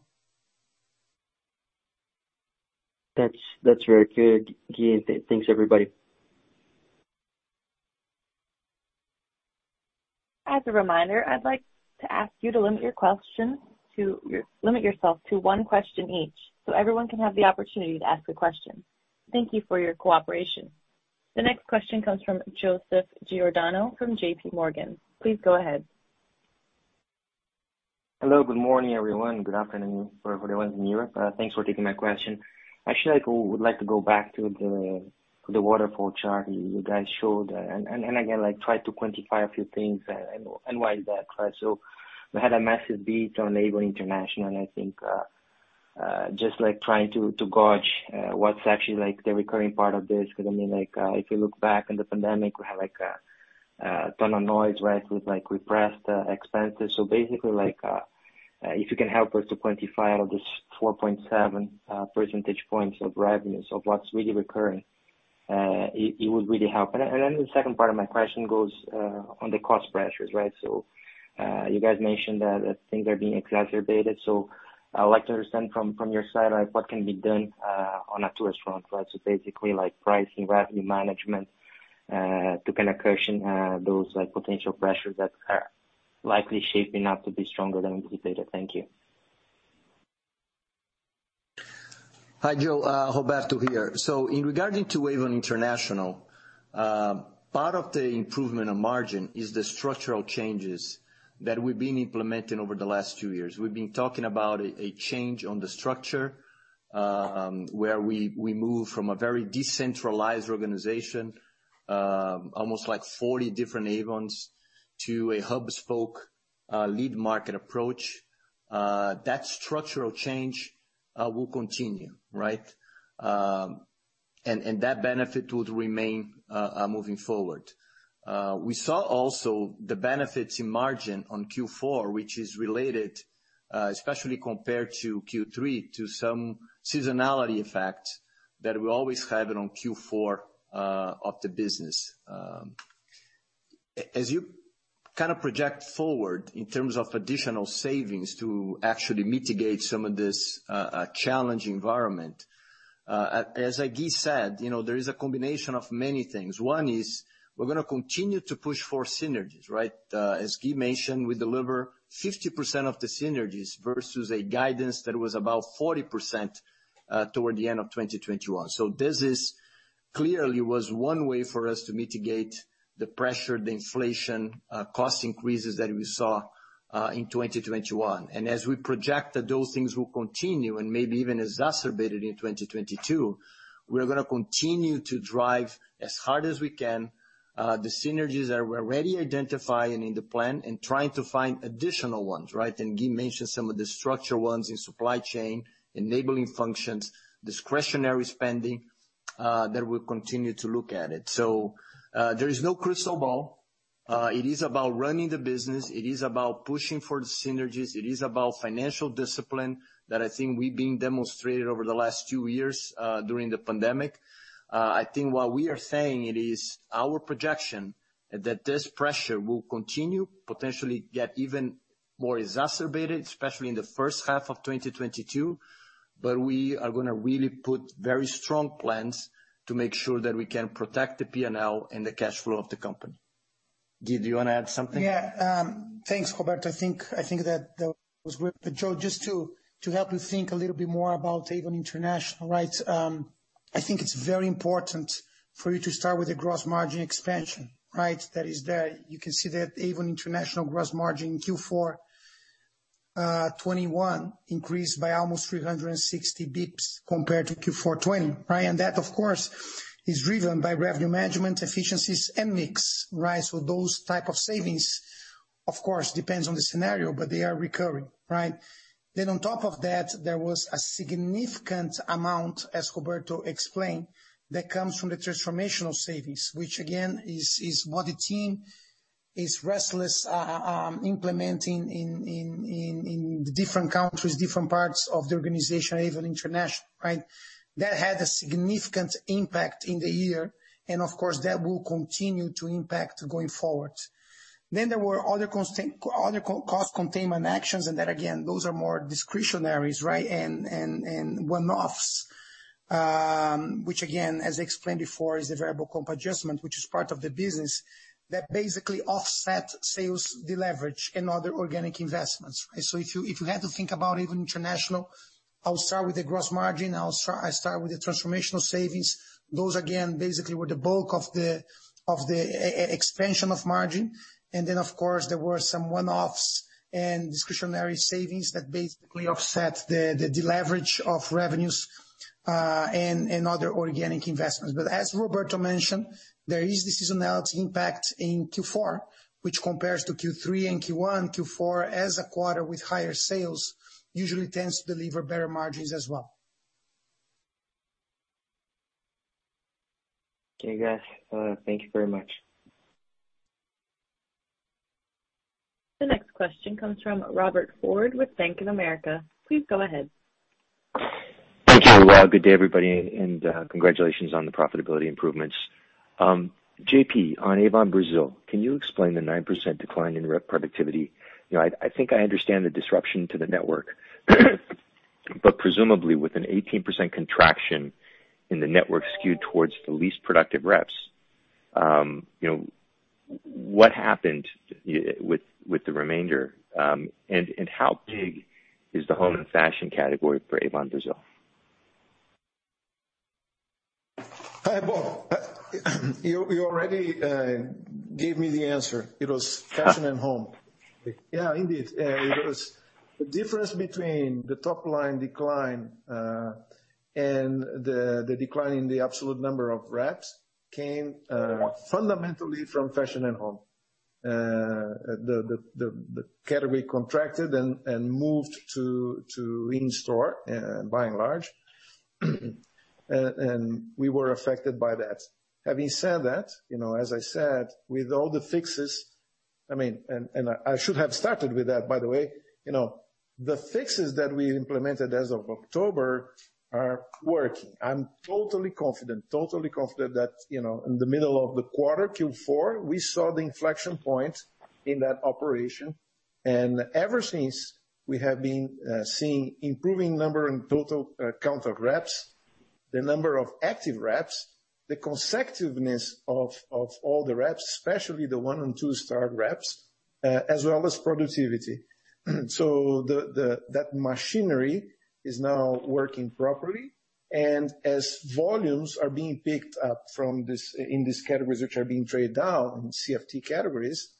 That's very clear, Gui. Thanks everybody. As a reminder, I'd like to ask you to limit yourself to one question each, so everyone can have the opportunity to ask a question. Thank you for your cooperation. The next question comes from Joseph Giordano from JPMorgan. Please go ahead. Hello. Good morning, everyone, and good afternoon for everyone in Europe. Thanks for taking my question. Actually, would like to go back to the waterfall chart you guys showed. Again, like, try to quantify a few things and widen that. Right? We had a massive beat on Avon International and I think, just like trying to gauge what's actually like the recurring part of this. 'Cause I mean, like, if you look back on the pandemic, we had like a ton of noise, right? With like repressed expenses. Basically like, if you can help us to quantify this 4.7 percentage points of revenues of what's really recurring, it would really help. Then the second part of my question goes on the cost pressures, right? So, you guys mentioned that things are being exacerbated. So I would like to understand from your side, like what can be done on a cost front, right? So basically like pricing, revenue management to kind of cushion those like potential pressures that are likely shaping up to be stronger than anticipated. Thank you. Hi, Joe, Roberto here. Regarding Avon International, part of the improvement of margin is the structural changes that we've been implementing over the last two years. We've been talking about a change in the structure, where we move from a very decentralized organization, almost like 40 different Avons, to a hub-spoke lead-market approach. That structural change will continue, right? That benefit would remain moving forward. We also saw the benefits in margin on Q4, which is related, especially compared to Q3, to some seasonality effect that we always have on Q4 of the business. As you kind of project forward in terms of additional savings to actually mitigate some of this challenge environment, as Gui said, you know, there is a combination of many things. One is we're gonna continue to push for synergies, right? As Gui mentioned, we deliver 50% of the synergies versus a guidance that was about 40%, toward the end of 2021. This clearly was one way for us to mitigate the pressure, the inflation, cost increases that we saw, in 2021. As we project that those things will continue and maybe even exacerbated in 2022, we're gonna continue to drive as hard as we can, the synergies that we're already identifying in the plan and trying to find additional ones, right? Gui mentioned some of the structure ones in supply chain, enabling functions, discretionary spending, that we'll continue to look at it. There is no crystal ball. It is about running the business. It is about pushing for the synergies. It is about financial discipline that I think we've been demonstrated over the last two years, during the pandemic. I think what we are saying it is our projection that this pressure will continue, potentially get even more exacerbated, especially in the first half of 2022, but we are gonna really put very strong plans to make sure that we can protect the P&L and the cash flow of the company. Gui, do you wanna add something? Thanks, Roberto. I think that was great. Joe, just to help you think a little bit more about Avon International, right? I think it's very important for you to start with the gross margin expansion, right? That is there. You can see that Avon International gross margin in Q4 2021 increased by almost 360 basis points compared to Q4 2020, right? That, of course, is driven by revenue management efficiencies and mix, right? Those type of savings, of course, depends on the scenario, but they are recurring, right? On top of that, there was a significant amount, as Roberto explained, that comes from the transformational savings, which again, is what the team is relentlessly implementing in the different countries, different parts of the organization, Avon International, right? That had a significant impact in the year, and of course, that will continue to impact going forward. There were other cost containment actions, and that again, those are more discretionary, right? And one-offs. Which again, as explained before, is the variable comp adjustment, which is part of the business that basically offset sales deleverage and other organic investments. If you had to think about even international, I'll start with the gross margin. I start with the transformational savings. Those again basically were the bulk of the expansion of margin. Then, of course, there were some one-offs and discretionary savings that basically offset the deleverage of revenues, and other organic investments. As Roberto mentioned, there is the seasonality impact in Q4, which compares to Q3 and Q1. Q4 as a quarter with higher sales usually tends to deliver better margins as well. Okay, guys. Thank you very much. The next question comes from Robert Ford with Bank of America. Please go ahead. Thank you. Well, good day, everybody, and congratulations on the profitability improvements. JP, on Avon Brazil, can you explain the 9% decline in rep productivity? You know, I think I understand the disruption to the network, but presumably with an 18% contraction and the network skewed towards the least productive reps, you know, what happened with the remainder? And how big is the home and fashion category for Avon Brazil? Hi, Bob. You already gave me the answer. It was fashion and home. Yeah, indeed. It was the difference between the top line decline and the decline in the absolute number of reps came fundamentally from fashion and home. The category contracted and moved to in store by and large. We were affected by that. Having said that, you know, as I said, with all the fixes, I mean, and I should have started with that, by the way. You know, the fixes that we implemented as of October are working. I'm totally confident that, you know, in the middle of the quarter, Q4, we saw the inflection point in that operation. Ever since, we have been seeing improving number and total count of reps, the number of active reps, the consecutiveness of all the reps, especially the one and two star reps, as well as productivity. That machinery is now working properly. As volumes are being picked up from this in these categories, which are being traded down in CFT categories,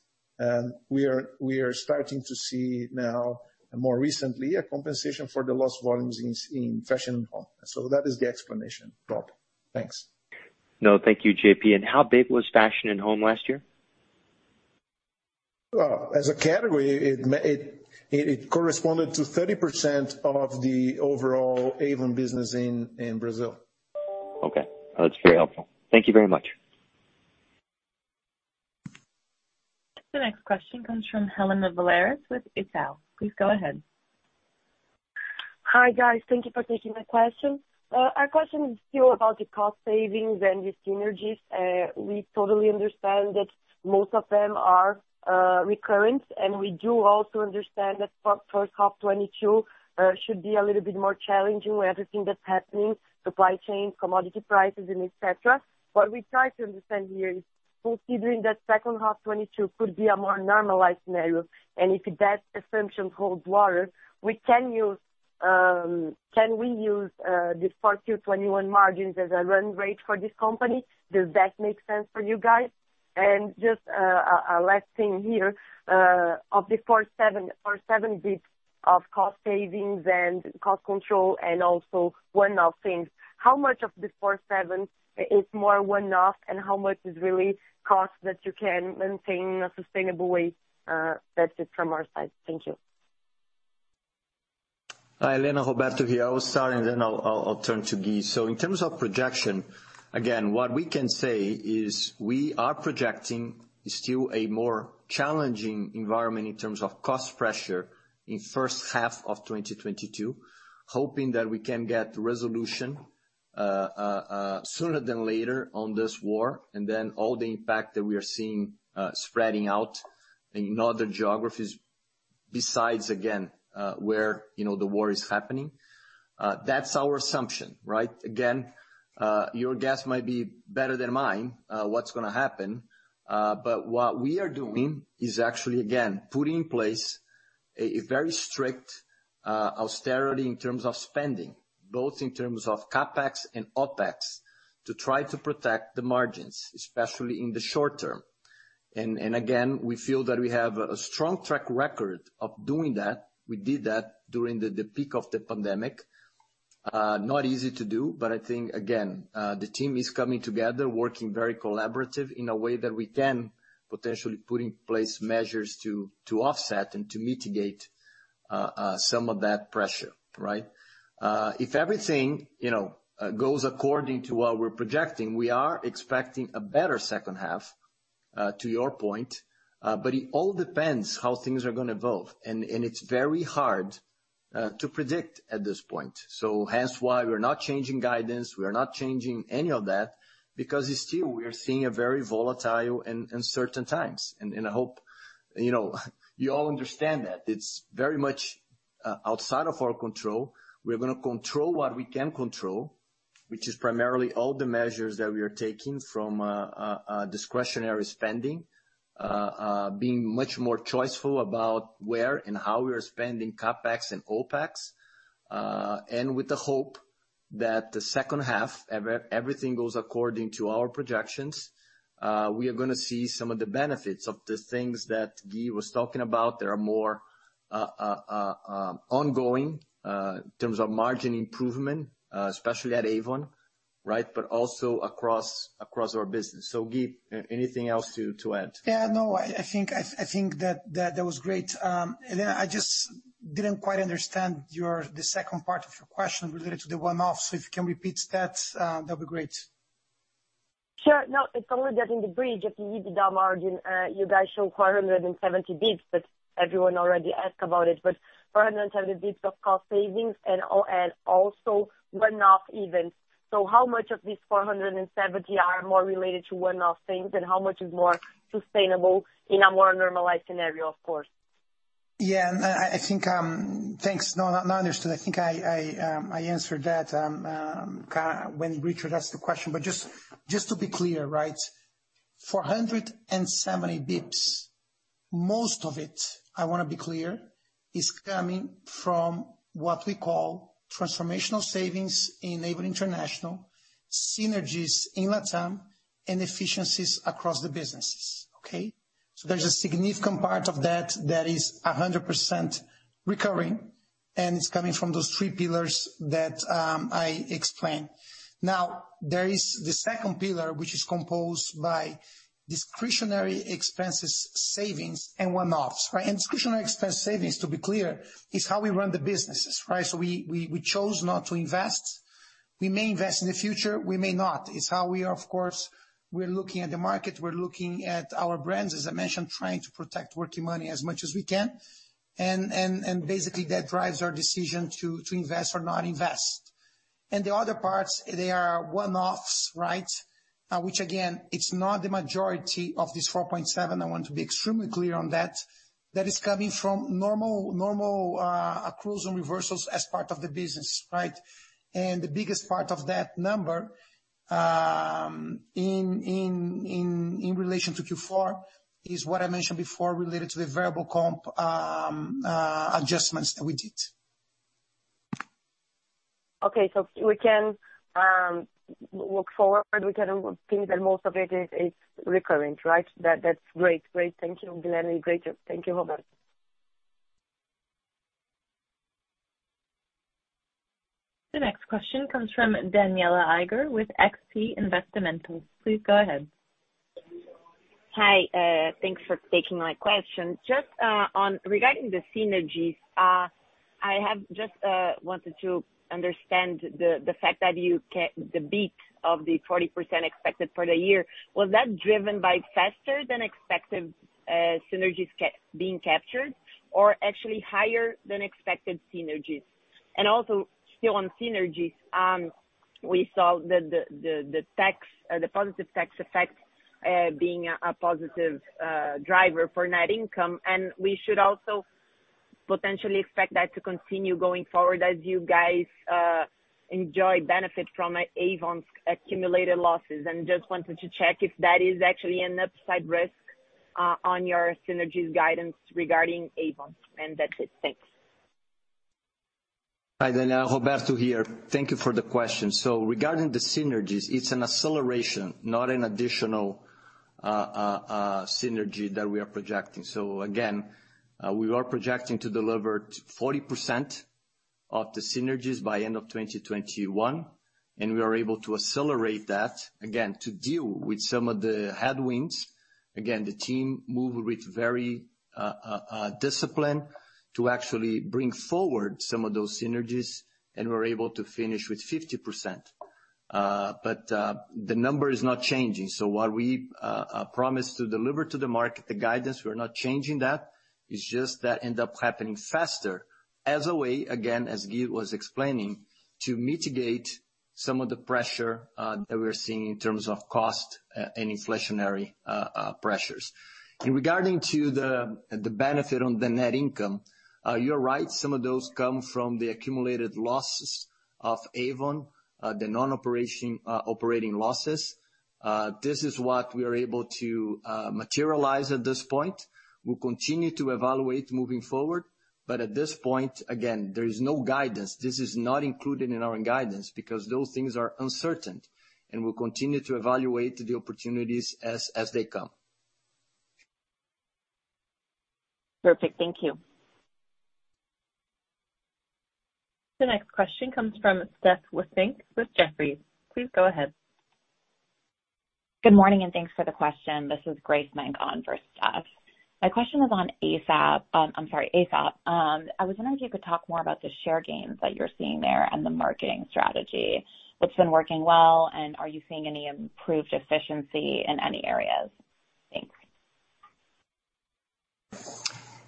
we are starting to see now more recently a compensation for the lost volumes in fashion and home. That is the explanation, Bob. Thanks. No, thank you, JP How big was fashion and home last year? Well, as a category, it corresponded to 30% of the overall Avon business in Brazil. Okay. That's very helpful. Thank you very much. The next question comes from Helena Villares with Itaú. Please go ahead. Hi, guys. Thank you for taking the question. Our question is still about the cost savings and the synergies. We totally understand that most of them are recurrent, and we do also understand that first half 2022 should be a little bit more challenging with everything that's happening, supply chain, commodity prices and et cetera. What we try to understand here is considering that second half 2022 could be a more normalized scenario, and if that assumption holds water, can we use the fourth Q 2021 margins as a run rate for this company? Does that make sense for you guys? Just a last thing here of the 4.7% basis points of cost savings and cost control and also one-off things, how much of the 4.7% is more one-off and how much is really cost that you can maintain in a sustainable way? That's it from our side. Thank you. Hi, Helena. Roberto here. I will start, and then I'll turn to Guilherme. In terms of projection, again, what we can say is we are projecting still a more challenging environment in terms of cost pressure in first half of 2022, hoping that we can get resolution sooner than later on this war, and then all the impact that we are seeing spreading out in other geographies besides, again, where, you know, the war is happening. That's our assumption, right? Again, your guess might be better than mine, what's gonna happen. What we are doing is actually again, putting in place a very strict austerity in terms of spending, both in terms of CapEx and OpEx, to try to protect the margins, especially in the short term. Again, we feel that we have a strong track record of doing that. We did that during the peak of the pandemic. Not easy to do, but I think again, the team is coming together, working very collaborative in a way that we can potentially put in place measures to offset and to mitigate some of that pressure, right? If everything, you know, goes according to what we're projecting, we are expecting a better second half, to your point. It all depends how things are gonna evolve. It's very hard to predict at this point. Hence why we're not changing guidance, we're not changing any of that because it's still we are seeing a very volatile and uncertain times. I hope, you know, you all understand that. It's very much. Outside of our control, we are gonna control what we can control, which is primarily all the measures that we are taking from discretionary spending, being much more choiceful about where and how we are spending CapEx and OpEx. With the hope that the second half, everything goes according to our projections, we are gonna see some of the benefits of the things that Gui was talking about that are more ongoing in terms of margin improvement, especially at Avon, right? But also across our business. Gui, anything else to add? Yeah, no, I think that was great. I just didn't quite understand your, the second part of your question related to the one-offs. If you can repeat that'd be great. Sure. No, it's only that in the bridge, if you need the down margin, you guys show 470 basis points, but everyone already ask about it. 470 basis points of cost savings and also one-off events. How much of these 470 are more related to one-off things, and how much is more sustainable in a more normalized scenario, of course? Yeah. Thanks. No, understood. I think I answered that when Richard asked the question. Just to be clear, right? 470 basis points, most of it, I wanna be clear, is coming from what we call transformational savings in Avon International, synergies in LATAM, and efficiencies across the businesses. Okay? There's a significant part of that that is 100% recurring, and it's coming from those three pillars that I explained. Now, there is the second pillar, which is composed by discretionary expenses savings and one-offs, right? Discretionary expense savings, to be clear, is how we run the businesses, right? We chose not to invest. We may invest in the future, we may not. It's how we are, of course, we're looking at the market, we're looking at our brands, as I mentioned, trying to protect working money as much as we can. Basically that drives our decision to invest or not invest. The other parts, they are one-offs, right? Which again, it's not the majority of this 4.7%, I want to be extremely clear on that. That is coming from normal accruals and reversals as part of the business, right? The biggest part of that number, in relation to Q4 is what I mentioned before related to the variable comp adjustments that we did. Okay. We can look forward, we can think that most of it is recurring, right? That's great. Great. Thank you, Guilherme. Great. Thank you, Roberto. The next question comes from Danniela Eiger with XP Investimentos. Please go ahead. Hi. Thanks for taking my question. Just on regarding the synergies, I have just wanted to understand the fact that the beat of the 40% expected for the year. Was that driven by faster than expected synergies being captured or actually higher than expected synergies? Also, still on synergies, we saw the tax, the positive tax effect being a positive driver for net income, and we should also potentially expect that to continue going forward as you guys enjoy benefit from Avon's accumulated losses. I just wanted to check if that is actually an upside risk on your synergies guidance regarding Avon. That's it. Thanks. Hi, Danniela. Roberto here. Thank you for the question. Regarding the synergies, it's an acceleration, not an additional synergy that we are projecting. Again, we are projecting to deliver 40% of the synergies by end of 2021, and we are able to accelerate that, again, to deal with some of the headwinds. Again, the team move with very discipline to actually bring forward some of those synergies, and we're able to finish with 50%. The number is not changing. What we promised to deliver to the market, the guidance, we're not changing that. It's just that end up happening faster as a way, again, as Gui was explaining, to mitigate some of the pressure that we're seeing in terms of cost and inflationary pressures. Regarding the benefit on the net income, you're right. Some of those come from the accumulated losses of Avon, the operating losses. This is what we are able to materialize at this point. We'll continue to evaluate moving forward, but at this point, again, there is no guidance. This is not included in our guidance because those things are uncertain, and we'll continue to evaluate the opportunities as they come. Perfect. Thank you. The next question comes from Steph Wissink with Jefferies. Please go ahead. Good morning, and thanks for the question. This is Grace Menk for Steph. My question was on Aesop. I was wondering if you could talk more about the share gains that you're seeing there and the marketing strategy. What's been working well, and are you seeing any improved efficiency in any areas? Thanks.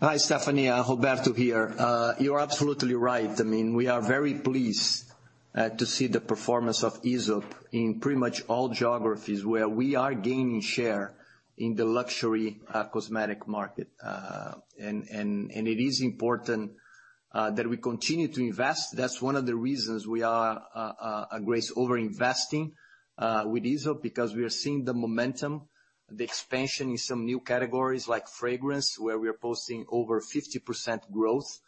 Hi, Stephanie. Roberto here. You're absolutely right. I mean, we are very pleased. To see the performance of Aesop in pretty much all geographies where we are gaining share in the luxury cosmetic market. It is important that we continue to invest. That's one of the reasons we are, Grace, over-investing with Aesop because we are seeing the momentum, the expansion in some new categories like fragrance, where we are posting over 50% growth.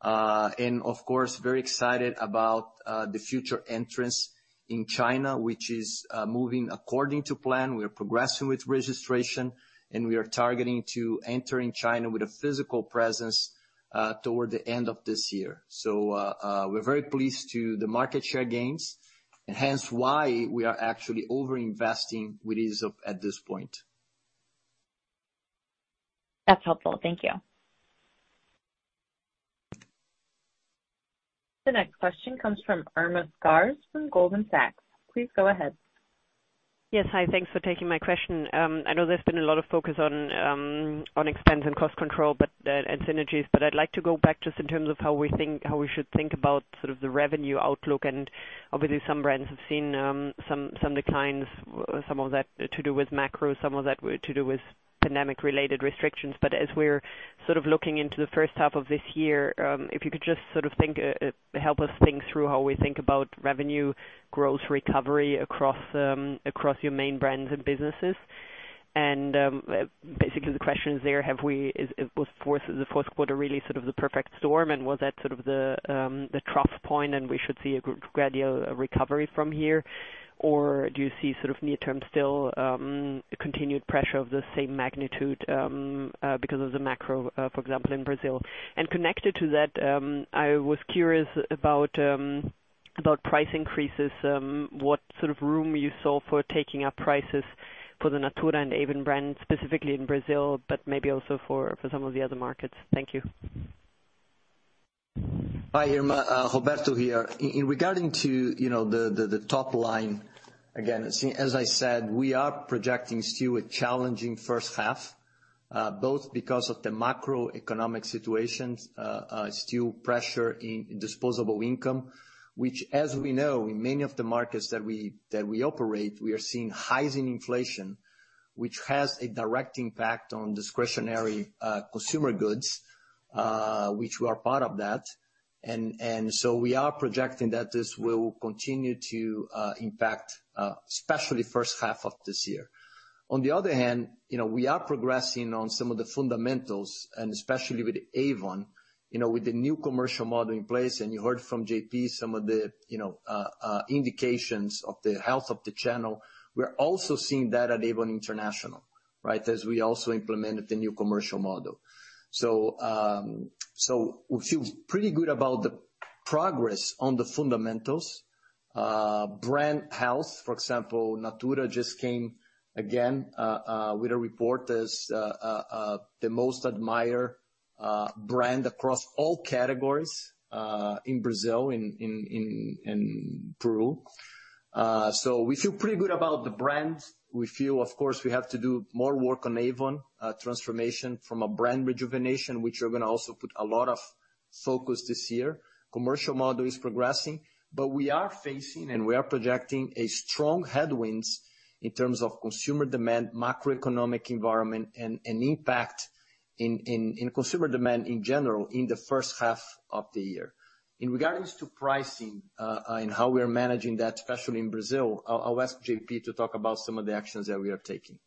Of course, very excited about the future entrance in China, which is moving according to plan. We are progressing with registration, and we are targeting to enter in China with a physical presence toward the end of this year. We're very pleased to the market share gains and hence why we are actually over-investing with Aesop at this point. That's helpful. Thank you. The next question comes from Irma Sgarz from Goldman Sachs. Please go ahead. Yes. Hi. Thanks for taking my question. I know there's been a lot of focus on expense and cost control and synergies. I'd like to go back just in terms of how we should think about sort of the revenue outlook. Obviously some brands have seen some declines, some of that to do with macro, some of that to do with pandemic-related restrictions. As we're sort of looking into the first half of this year, if you could just help us think through how we think about revenue growth recovery across your main brands and businesses. Basically the question is, was the fourth quarter really sort of the perfect storm? Was that sort of the trough point, and we should see a gradual recovery from here? Or do you see sort of near term still continued pressure of the same magnitude because of the macro, for example, in Brazil? Connected to that, I was curious about price increases, what sort of room you saw for taking up prices for the Natura and Avon brands, specifically in Brazil, but maybe also for some of the other markets. Thank you. Hi, Irma. Roberto here. In regard to, you know, the top line, again, as I said, we are projecting still a challenging first half, both because of the macroeconomic situations, still pressure in disposable income. Which, as we know, in many of the markets that we operate, we are seeing highs in inflation, which has a direct impact on discretionary consumer goods, which we are part of that. We are projecting that this will continue to impact, especially first half of this year. On the other hand, you know, we are progressing on some of the fundamentals, and especially with Avon, you know, with the new commercial model in place, and you heard from JP some of the indications of the health of the channel. We're also seeing that at Avon International, right? As we also implemented the new commercial model. We feel pretty good about the progress on the fundamentals. Brand health, for example, Natura just came again with a report as the most admired brand across all categories in Brazil, in Peru. We feel pretty good about the brand. We feel, of course, we have to do more work on Avon transformation from a brand rejuvenation, which we're gonna also put a lot of focus this year. Commercial model is progressing, but we are facing and we are projecting a strong headwinds in terms of consumer demand, macroeconomic environment and impact in consumer demand in general in the first half of the year. In regards to pricing and how we are managing that, especially in Brazil, I'll ask JP to talk about some of the actions that we are taking.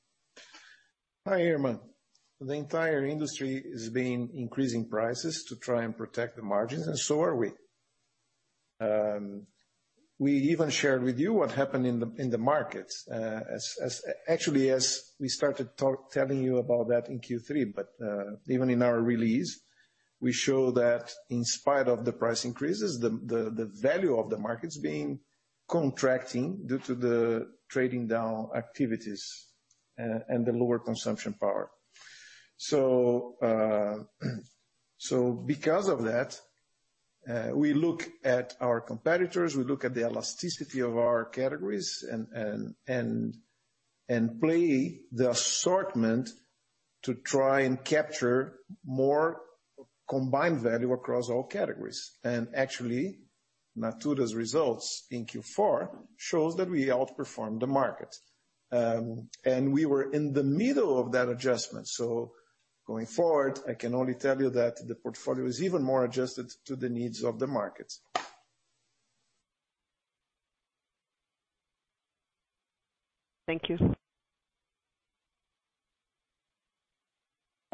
Hi, Irma. The entire industry is being increasing prices to try and protect the margins, and so are we. We even shared with you what happened in the markets, actually, as we started telling you about that in Q3. Even in our release, we show that in spite of the price increases, the value of the market's been contracting due to the trading down activities and the lower consumption power. Because of that, we look at our competitors, we look at the elasticity of our categories and play the assortment to try and capture more combined value across all categories. Actually, Natura's results in Q4 shows that we outperformed the market. We were in the middle of that adjustment. Going forward, I can only tell you that the portfolio is even more adjusted to the needs of the markets. Thank you.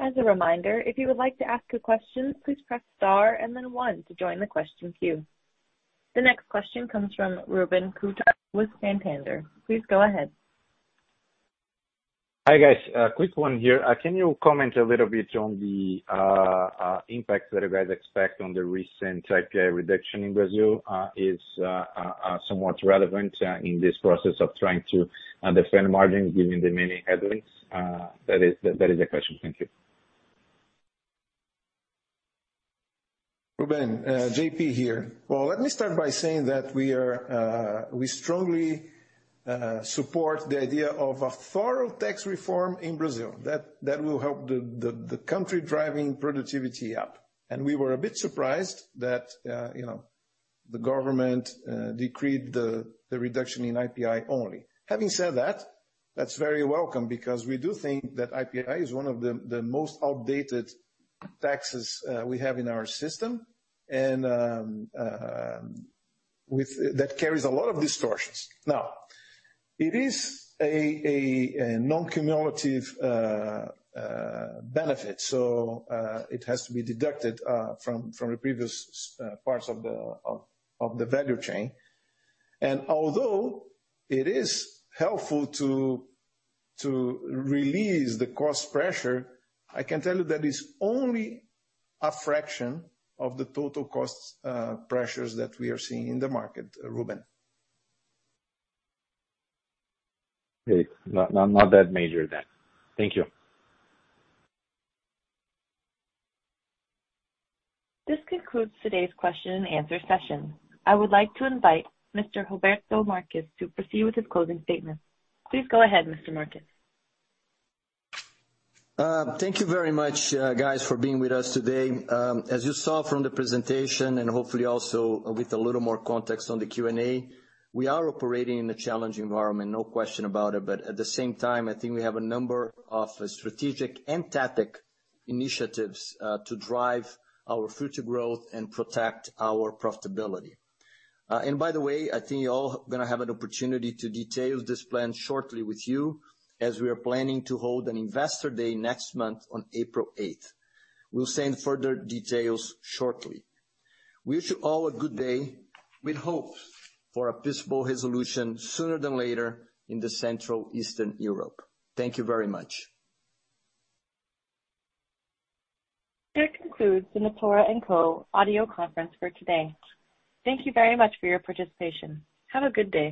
As a reminder, if you would like to ask a question, please press star and then one to join the question queue. The next question comes from Ruben Couto with Santander. Please go ahead. Hi, guys. Quick one here. Can you comment a little bit on the impact that you guys expect on the recent IPI reduction in Brazil? Is somewhat relevant in this process of trying to defend margin given the many headwinds? That is the question. Thank you. Ruben, JP here. Well, let me start by saying we strongly support the idea of a thorough tax reform in Brazil, that will help the country driving productivity up. We were a bit surprised that, you know, the government decreed the reduction in IPI only. Having said that's very welcome because we do think that IPI is one of the most outdated taxes we have in our system, and that carries a lot of distortions. Now, it is a non-cumulative benefit, so it has to be deducted from the previous stages of the value chain. Although it is helpful to release the cost pressure, I can tell you that it's only a fraction of the total cost pressures that we are seeing in the market, Ruben. Okay. Not that major then. Thank you. This concludes today's question and answer session. I would like to invite Mr. Roberto Marques to proceed with his closing statement. Please go ahead, Mr. Marques. Thank you very much, guys, for being with us today. As you saw from the presentation, and hopefully also with a little more context on the Q&A, we are operating in a challenging environment, no question about it. At the same time, I think we have a number of strategic and tactical initiatives to drive our future growth and protect our profitability. By the way, I think you're all gonna have an opportunity to detail this plan with you shortly as we are planning to hold an Investor Day next month on April 8th. We'll send further details shortly. Wish you all a good day with hope for a peaceful resolution sooner rather than later in Central and Eastern Europe. Thank you very much. This concludes the Natura &Co audio conference for today. Thank you very much for your participation. Have a good day.